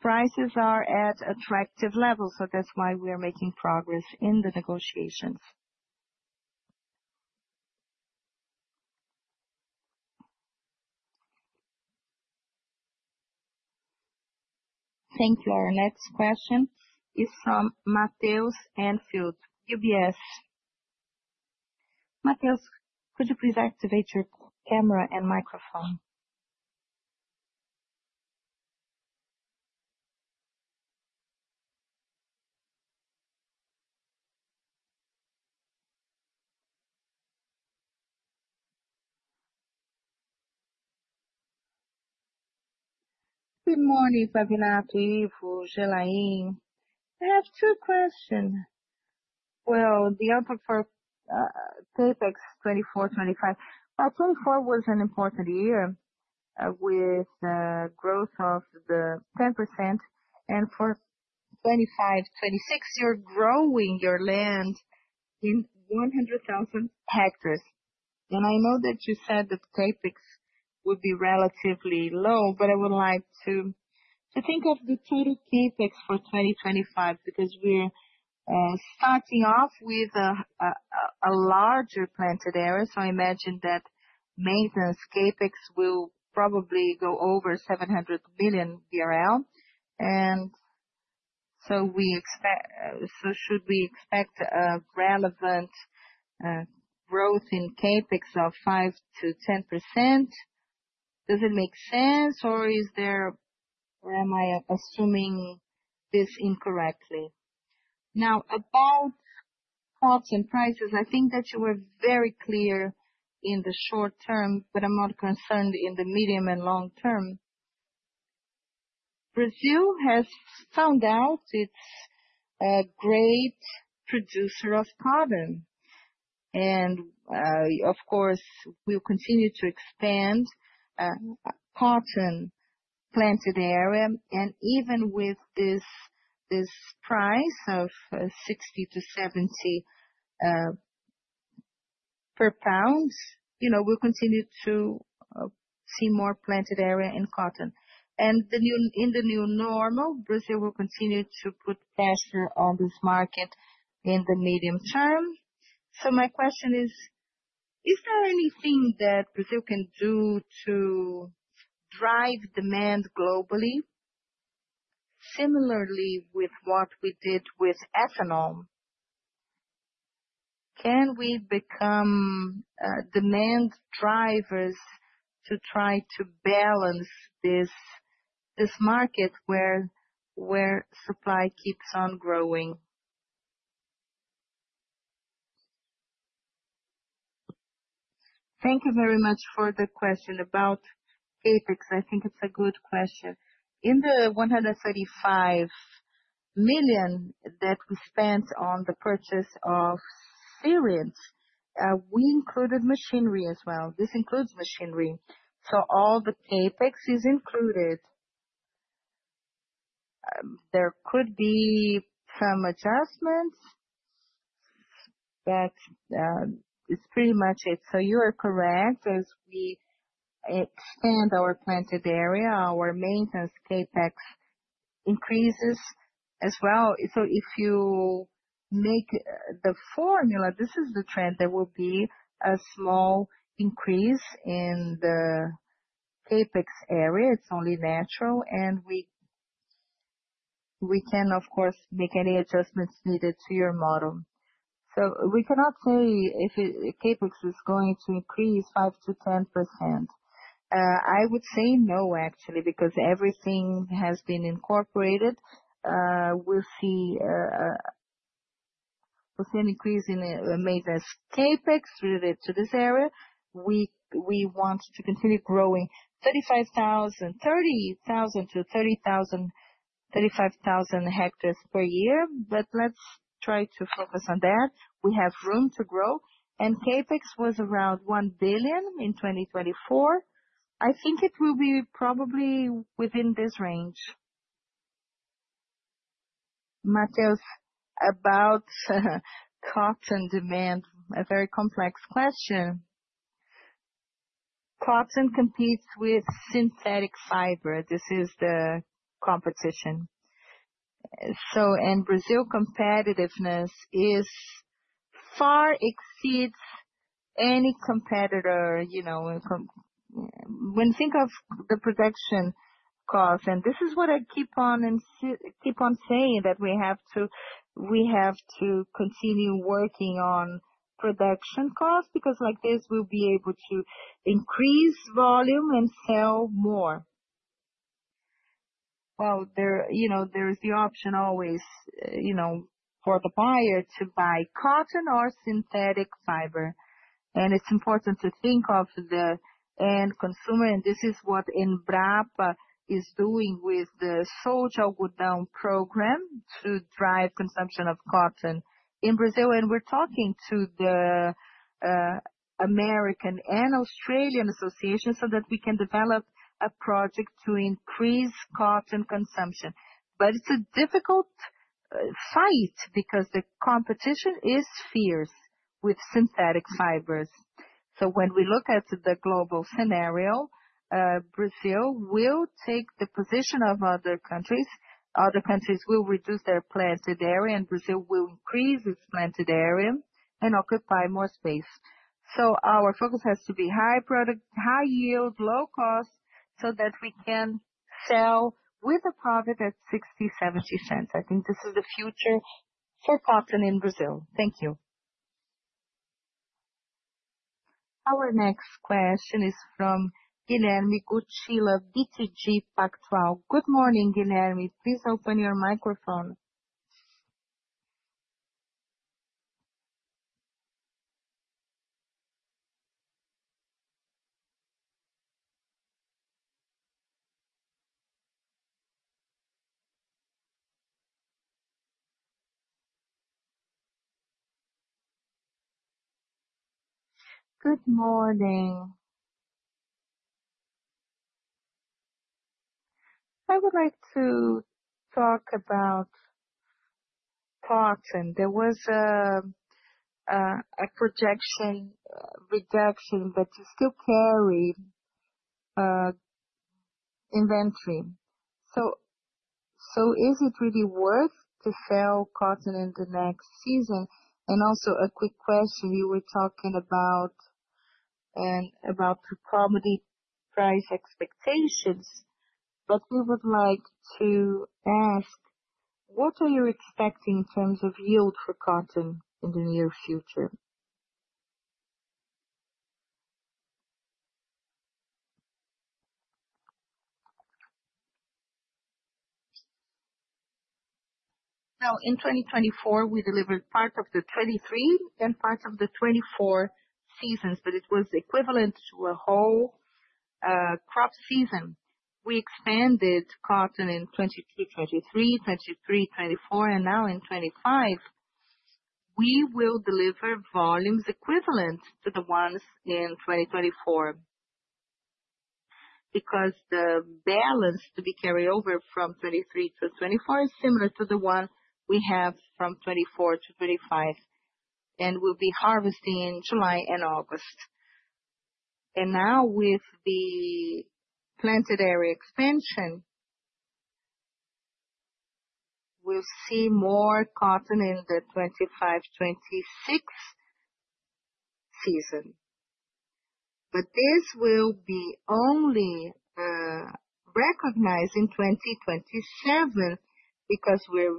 prices are at attractive levels. That is why we are making progress in the negotiations. Thank you. Our next question is from Mateus Anfield, UBS. Mateus, could you please activate your camera and microphone? Good morning, Pavinato, Ivo, Gelain. I have two questions. The outlook for CapEx 2024-2025, 2024 was an important year with a growth of 10%. For 2025-2026, you are growing your land in 100,000 hectares. I know that you said that CapEx would be relatively low, but I would like to think of the total CapEx for 2025 because we are starting off with a larger planted area. I imagine that maintenance CAPEX will probably go over 700 million BRL year-round. We expect, so should we expect a relevant growth in CAPEX of 5-10%? Does it make sense, or am I assuming this incorrectly? Now, about costs and prices, I think that you were very clear in the short-term, but I'm not concerned in the medium and long term. Brazil has found out it's a great producer of cotton. Of course, we'll continue to expand cotton planted area. Even with this price of $0.60-$0.70 per pound, you know, we'll continue to see more planted area in cotton. In the new normal, Brazil will continue to put pressure on this market in the medium term. My question is, is there anything that Brazil can do to drive demand globally, similarly with what we did with ethanol? Can we become demand drivers to try to balance this market where supply keeps on growing? Thank you very much for the question about CapEx. I think it's a good question. In the $135 million that we spent on the purchase of cereals, we included machinery as well. This includes machinery. All the CapEx is included. There could be some adjustments, but it's pretty much it. You are correct. As we expand our planted area, our maintenance CapEx increases as well. If you make the formula, this is the trend. There will be a small increase in the CapEx area. It's only natural. We can, of course, make any adjustments needed to your model. We cannot say if CAPEX is going to increase 5%-10%. I would say no, actually, because everything has been incorporated. We'll see an increase in maintenance CAPEX related to this area. We want to continue growing 30,000 hectares-35,000 hectares per year. Let's try to focus on that. We have room to grow. CAPEX was around 1 billion in 2024. I think it will be probably within this range. Mateus, about cotton demand, a very complex question. Cotton competes with synthetic fiber. This is the competition. Brazil's competitiveness far exceeds any competitor. You know, when you think of the production cost, and this is what I keep on saying, that we have to continue working on production costs because like this, we'll be able to increase volume and sell more. There is the option always, you know, for the buyer to buy cotton or synthetic fiber. It is important to think of the end consumer. This is what Embrapa is doing with the sojau gudão program to drive consumption of cotton in Brazil. We are talking to the American and Australian association so that we can develop a project to increase cotton consumption. It is a difficult fight because the competition is fierce with synthetic fibers. When we look at the global scenario, Brazil will take the position of other countries. Other countries will reduce their planted area, and Brazil will increase its planted area and occupy more space. Our focus has to be high product, high yield, low cost so that we can sell with a profit at 60 cents-70 cents. I think this is the future for cotton in Brazil. Thank you. Our next question is from Guilherme Guttilla, BTG Pactual. Good morning, Guilherme. Please open your microphone. Good morning. I would like to talk about cotton. There was a projection reduction, but you still carry inventory. Is it really worth to sell cotton in the next season? Also, a quick question, you were talking about the commodity price expectations, but we would like to ask, what are you expecting in terms of yield for cotton in the near future? Now, in 2024, we delivered part of the 2023 and part of the 2024 seasons, but it was equivalent to a whole crop season. We expanded cotton in 2022, 2023, 2023-2024, and now in 2025, we will deliver volumes equivalent to the ones in 2024 because the balance to be carried over from 2023 to 2024 is similar to the one we have from 2024 to 2025, and we'll be harvesting in July and August. Now, with the planted area expansion, we'll see more cotton in the 2025-2026 season. This will be only recognized in 2027 because we're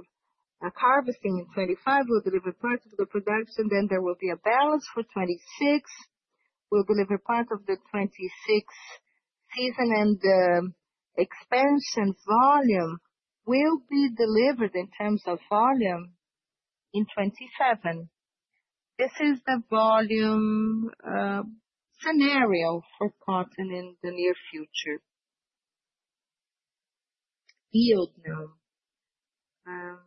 harvesting in 2025, we'll deliver part of the production, then there will be a balance for 2026, we'll deliver part of the 2026 season, and the expansion volume will be delivered in terms of volume in 2027. This is the volume scenario for cotton in the near future. Yield now.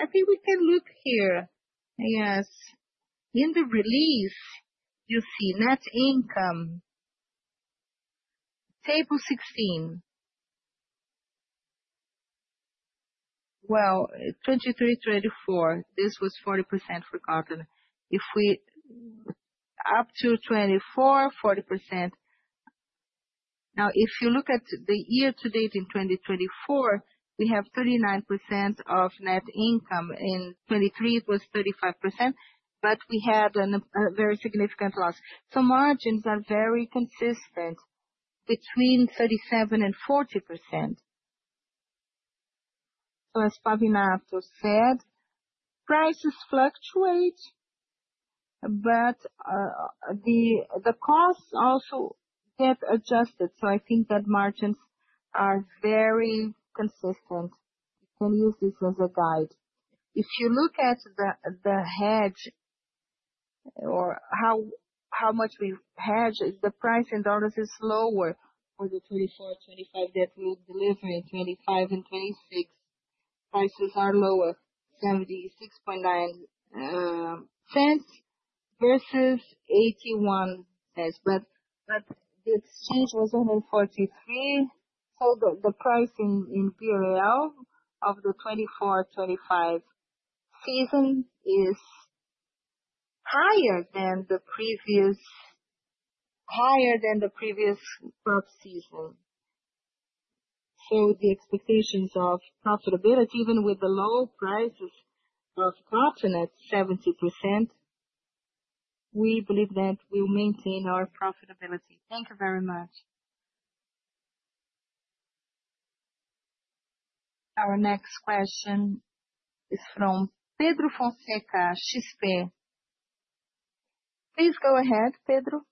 I think we can look here. Yes. In the release, you see net income. Table 16. In 2023-2024, this was 40% for cotton. If we go up to 2024, 40%. Now, if you look at the year-to-date in 2024, we have 39% of net income. In 2023, it was 35%, but we had a very significant loss. Margins are very consistent between 37% and 40%. As Pavinato said, prices fluctuate, but the costs also get adjusted. I think that margins are very consistent. You can use this as a guide. If you look at the hedge or how much we hedge, the price in dollars is lower for the 2024-2025 that we deliver in 2025 and 2026. Prices are lower, $0.769 versus $0.81. The exchange was only 43. The price in BRL of the 2024-2025 season is higher than the previous crop season. The expectations of profitability, even with the low prices of cotton at 70%, we believe that we'll maintain our profitability. Thank you very much. Our next question is from Pedro Fonseca XP. Please go ahead, Pedro.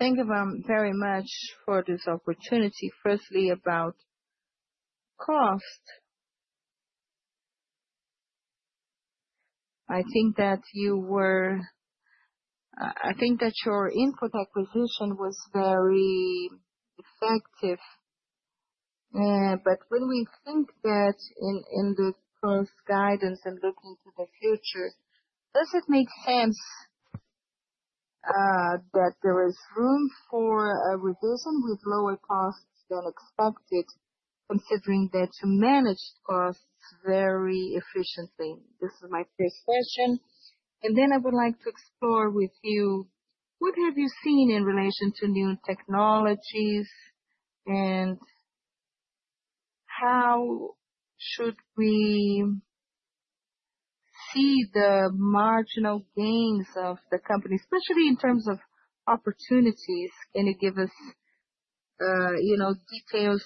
Thank you very much for this opportunity. Firstly, about cost. I think that your input acquisition was very effective. When we think that in the current guidance and looking to the future, does it make sense that there is room for a revision with lower costs than expected, considering that you managed costs very efficiently? This is my first question. I would like to explore with you, what have you seen in relation to new technologies and how should we see the marginal gains of the company, especially in terms of opportunities? Can you give us details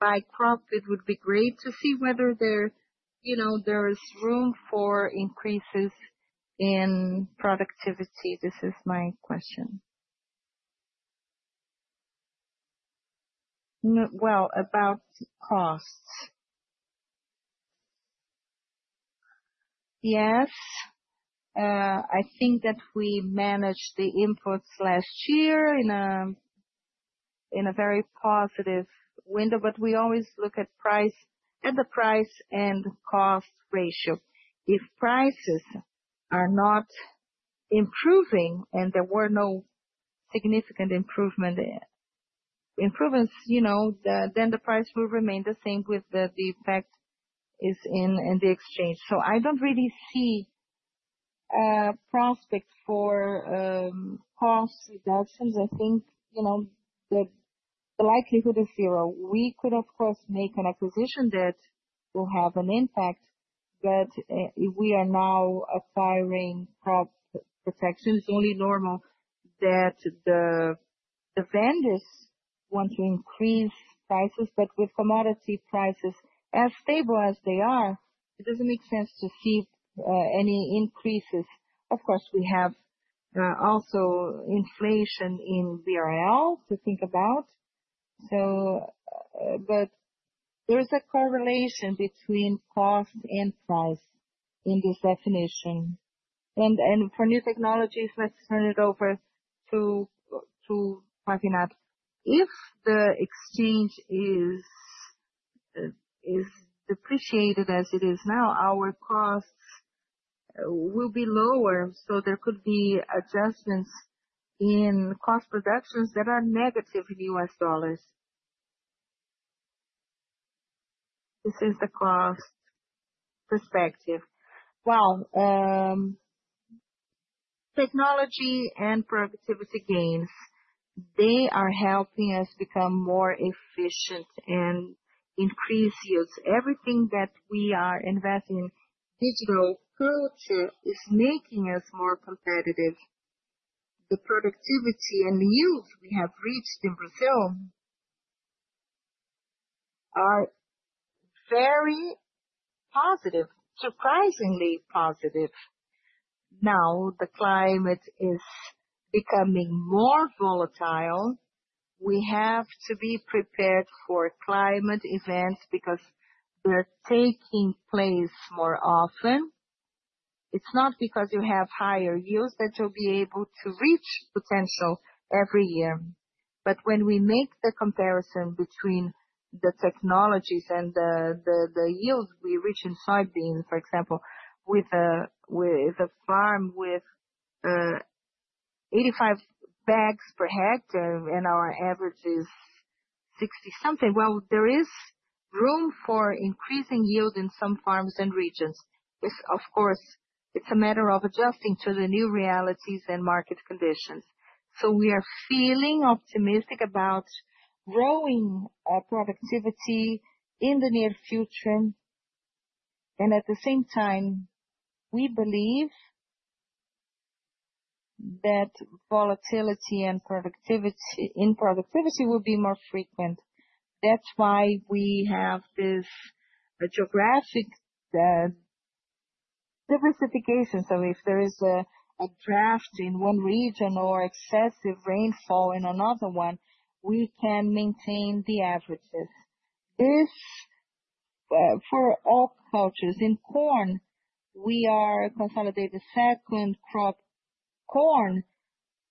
by crop? It would be great to see whether there's room for increases in productivity. This is my question. About costs. Yes. I think that we managed the inputs last year in a very positive window, but we always look at price and the price and cost ratio. If prices are not improving and there were no significant improvements, then the price will remain the same with the effect in the exchange. I don't really see prospects for cost reductions. I think the likelihood is zero. We could, of course, make an acquisition that will have an impact, but if we are now acquiring crop protection, it's only normal that the vendors want to increase prices. With commodity prices as stable as they are, it doesn't make sense to see any increases. Of course, we have also inflation in BRL to think about. There is a correlation between cost and price in this definition. For new technologies, let's turn it over to Pavinato. If the exchange is depreciated as it is now, our costs will be lower. There could be adjustments in cost reductions that are negative in US dollars. This is the cost perspective. Technology and productivity gains are helping us become more efficient and increase yields. Everything that we are investing in digital culture is making us more competitive. The productivity and yields we have reached in Brazil are very positive, surprisingly positive. The climate is becoming more volatile. We have to be prepared for climate events because they're taking place more often. It's not because you have higher yields that you'll be able to reach potential every year. When we make the comparison between the technologies and the yields we reach in soybeans, for example, with a farm with 85 bags per hectare and our average is 60 something, there is room for increasing yield in some farms and regions. Of course, it is a matter of adjusting to the new realities and market conditions. We are feeling optimistic about growing productivity in the near future. At the same time, we believe that volatility and productivity will be more frequent. That is why we have this geographic diversification. If there is a drought in one region or excessive rainfall in another one, we can maintain the averages. This is for all crops. In corn, we are consolidating second crop corn,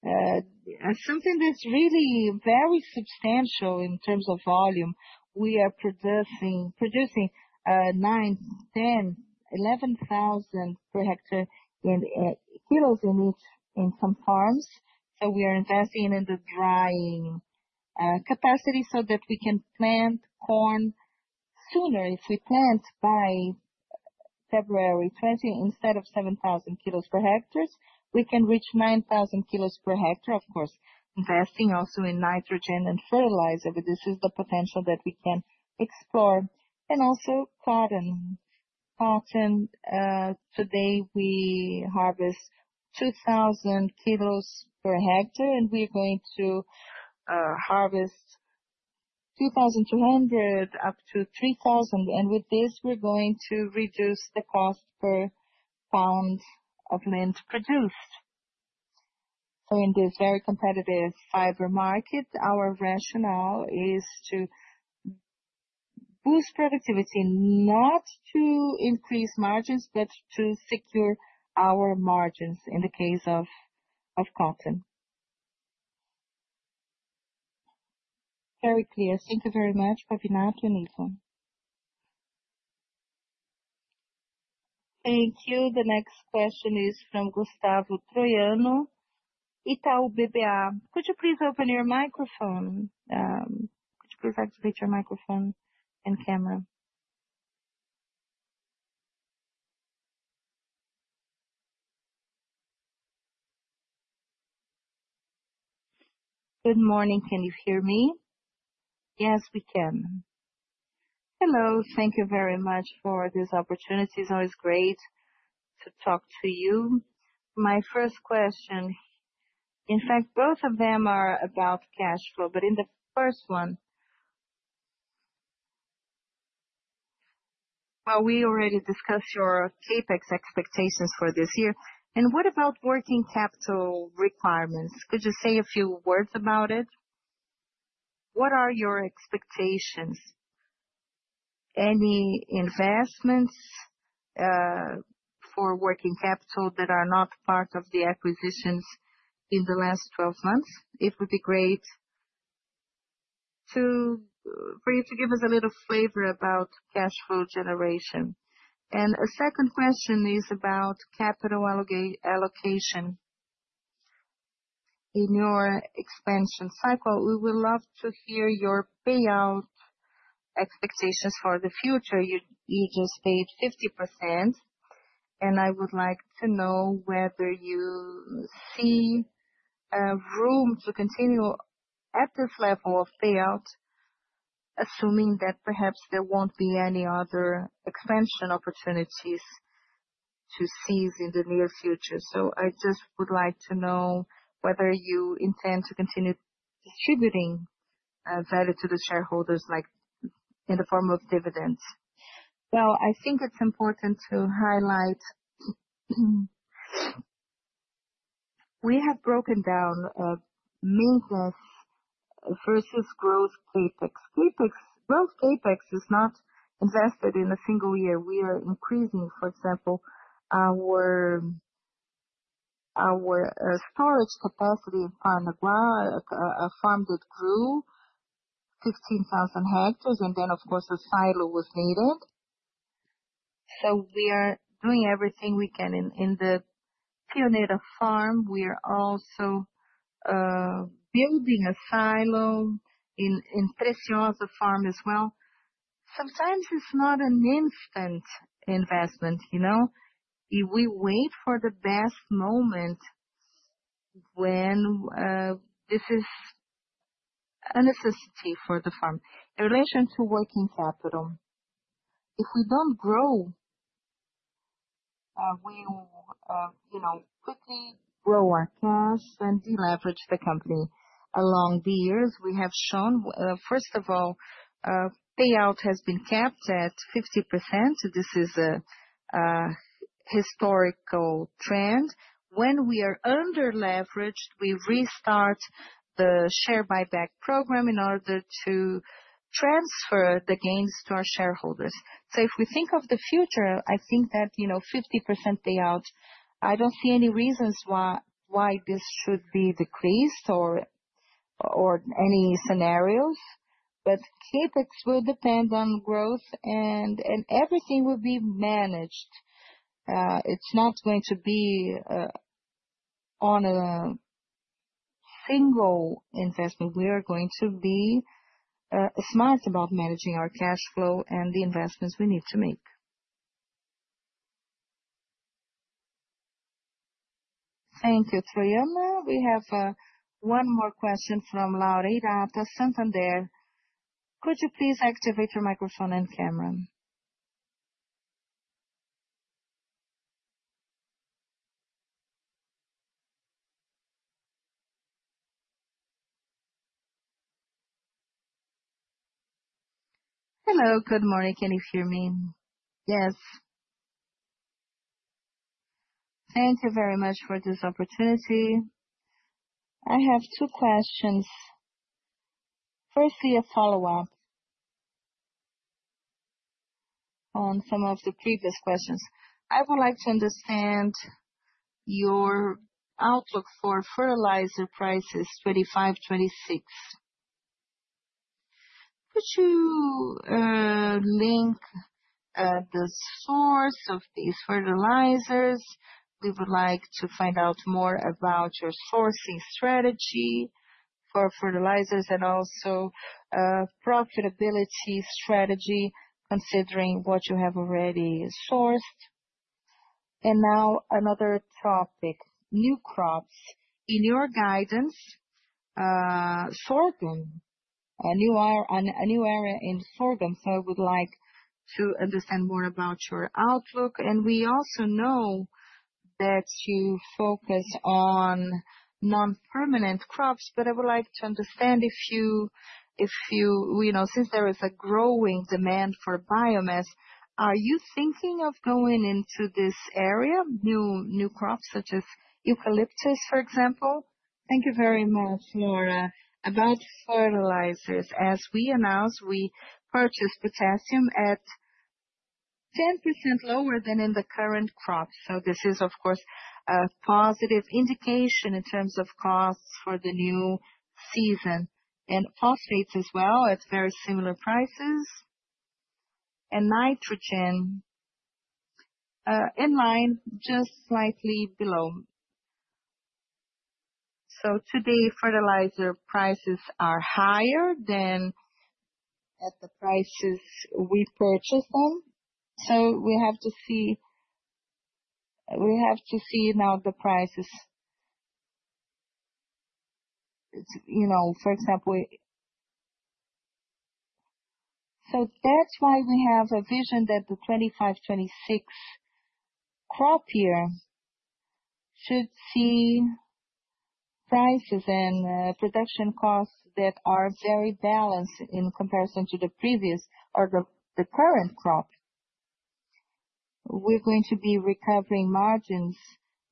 something that is really very substantial in terms of volume. We are producing 9,000 Kg-11,000 Kg per hectare in some farms. We are investing in the drying capacity so that we can plant corn sooner. If we plant by February 20, instead of 7,000 Kg per hectare, we can reach 9,000 Kg per hectare, of course, investing also in nitrogen and fertilizer. This is the potential that we can explore. Also cotton. Cotton today, we harvest 2,000 Kg per hectare, and we are going to harvest 2,200 Kg up to 3,000 Kg. With this, we're going to reduce the cost per pound of lint produced. In this very competitive fiber market, our rationale is to boost productivity, not to increase margins, but to secure our margins in the case of cotton. Very clear. Thank you very much, Pavinato and Ethan. Thank you. The next question is from Gustavo Troiano. Itaú BBA, could you please open your microphone? Could you please activate your microphone and camera? Good morning. Can you hear me? Yes, we can. Hello. Thank you very much for this opportunity. It's always great to talk to you. My first question, in fact, both of them are about cash flow, but in the first one, we already discussed your CAPEX expectations for this year. What about working capital requirements? Could you say a few words about it? What are your expectations? Any investments for working capital that are not part of the acquisitions in the last 12 months? It would be great for you to give us a little flavor about cash flow generation. A second question is about capital allocation in your expansion cycle. We would love to hear your payout expectations for the future. You just paid 50%, and I would like to know whether you see room to continue at this level of payout, assuming that perhaps there will not be any other expansion opportunities to seize in the near future. I just would like to know whether you intend to continue distributing value to the shareholders in the form of dividends. I think it is important to highlight we have broken down maintenance versus growth CAPEX. Growth CAPEX is not invested in a single year. We are increasing, for example, our storage capacity in Paranaguá, a farm that grew 15,000 hectares, and then, of course, a silo was needed. We are doing everything we can in the Pioneira farm. We are also building a silo in Três Corações farm as well. Sometimes it is not an instant investment. We wait for the best moment when this is a necessity for the farm. In relation to working capital, if we do not grow, we quickly grow our cash and deleverage the company. Along the years, we have shown, first of all, payout has been capped at 50%. This is a historical trend. When we are underleveraged, we restart the share buyback program in order to transfer the gains to our shareholders. If we think of the future, I think that 50% payout, I do not see any reasons why this should be decreased or any scenarios. CapEx will depend on growth, and everything will be managed. It is not going to be on a single investment. We are going to be smart about managing our cash flow and the investments we need to make. Thank you, Troiano.We have one more question from Laurita Santander. Could you please activate your microphone and camera? Hello. Good morning. Can you hear me? Yes. Thank you very much for this opportunity. I have two questions. Firstly, a follow-up on some of the previous questions. I would like to understand your outlook for fertilizer prices 2025, 2026. Could you link the source of these fertilizers? We would like to find out more about your sourcing strategy for fertilizers and also profitability strategy, considering what you have already sourced. Now another topic, new crops. In your guidance, sorghum, a new area in sorghum. I would like to understand more about your outlook. We also know that you focus on non-permanent crops, but I would like to understand if you, since there is a growing demand for biomass, are you thinking of going into this area, new crops such as eucalyptus, for example? Thank you very much, Laurita. About fertilizers, as we announced, we purchase potassium at 10% lower than in the current crop. This is, of course, a positive indication in terms of costs for the new season. Phosphates as well at very similar prices. Nitrogen in line, just slightly below. Today, fertilizer prices are higher than at the prices we purchase them. We have to see now the prices. For example, that's why we have a vision that the 2025-2026 crop year should see prices and production costs that are very balanced in comparison to the previous or the current crop. We're going to be recovering margins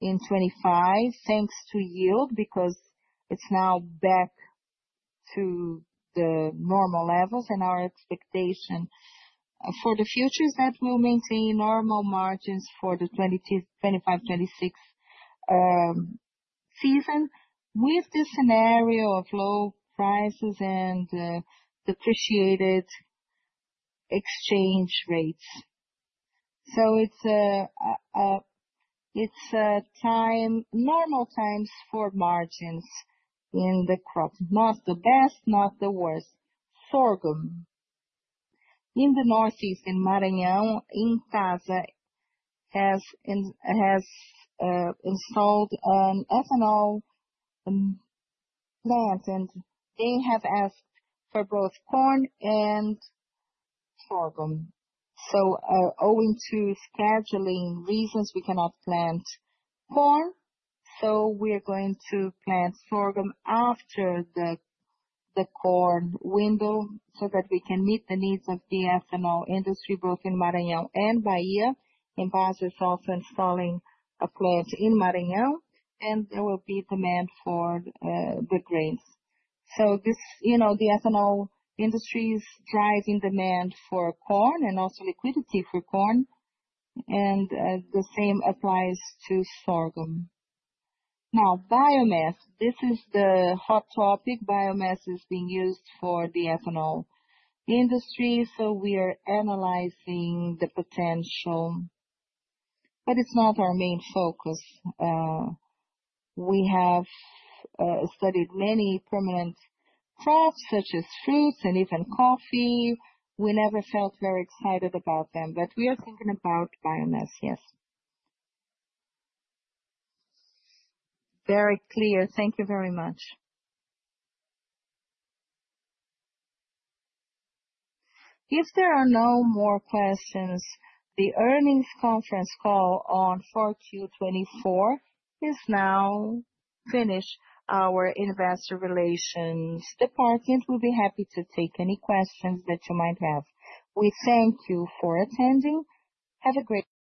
in 2025 thanks to yield because it's now back to the normal levels. Our expectation for the future is that we'll maintain normal margins for the 2025-2026 season with the scenario of low prices and depreciated exchange rates. It's normal times for margins in the crop. Not the best, not the worst. Sorghum. In the northeast, in Maranhão, Incasa has installed an ethanol plant, and they have asked for both corn and sorghum. Owing to scheduling reasons, we cannot plant corn. We're going to plant sorghum after the corn window so that we can meet the needs of the ethanol industry both in Maranhão and Bahia. In Baza is also installing a plant in Maranhão, and there will be demand for the grains. The ethanol industry is driving demand for corn and also liquidity for corn. The same applies to sorghum. Now, biomass, this is the hot topic. Biomass is being used for the ethanol industry. We are analyzing the potential, but it's not our main focus. We have studied many permanent crops such as fruits and even coffee. We never felt very excited about them, but we are thinking about biomass, yes. Very clear. Thank you very much. If there are no more questions, the earnings conference call on 4Q 2024 is now finished. Our investor relations department will be happy to take any questions that you might have. We thank you for attending. Have a great day.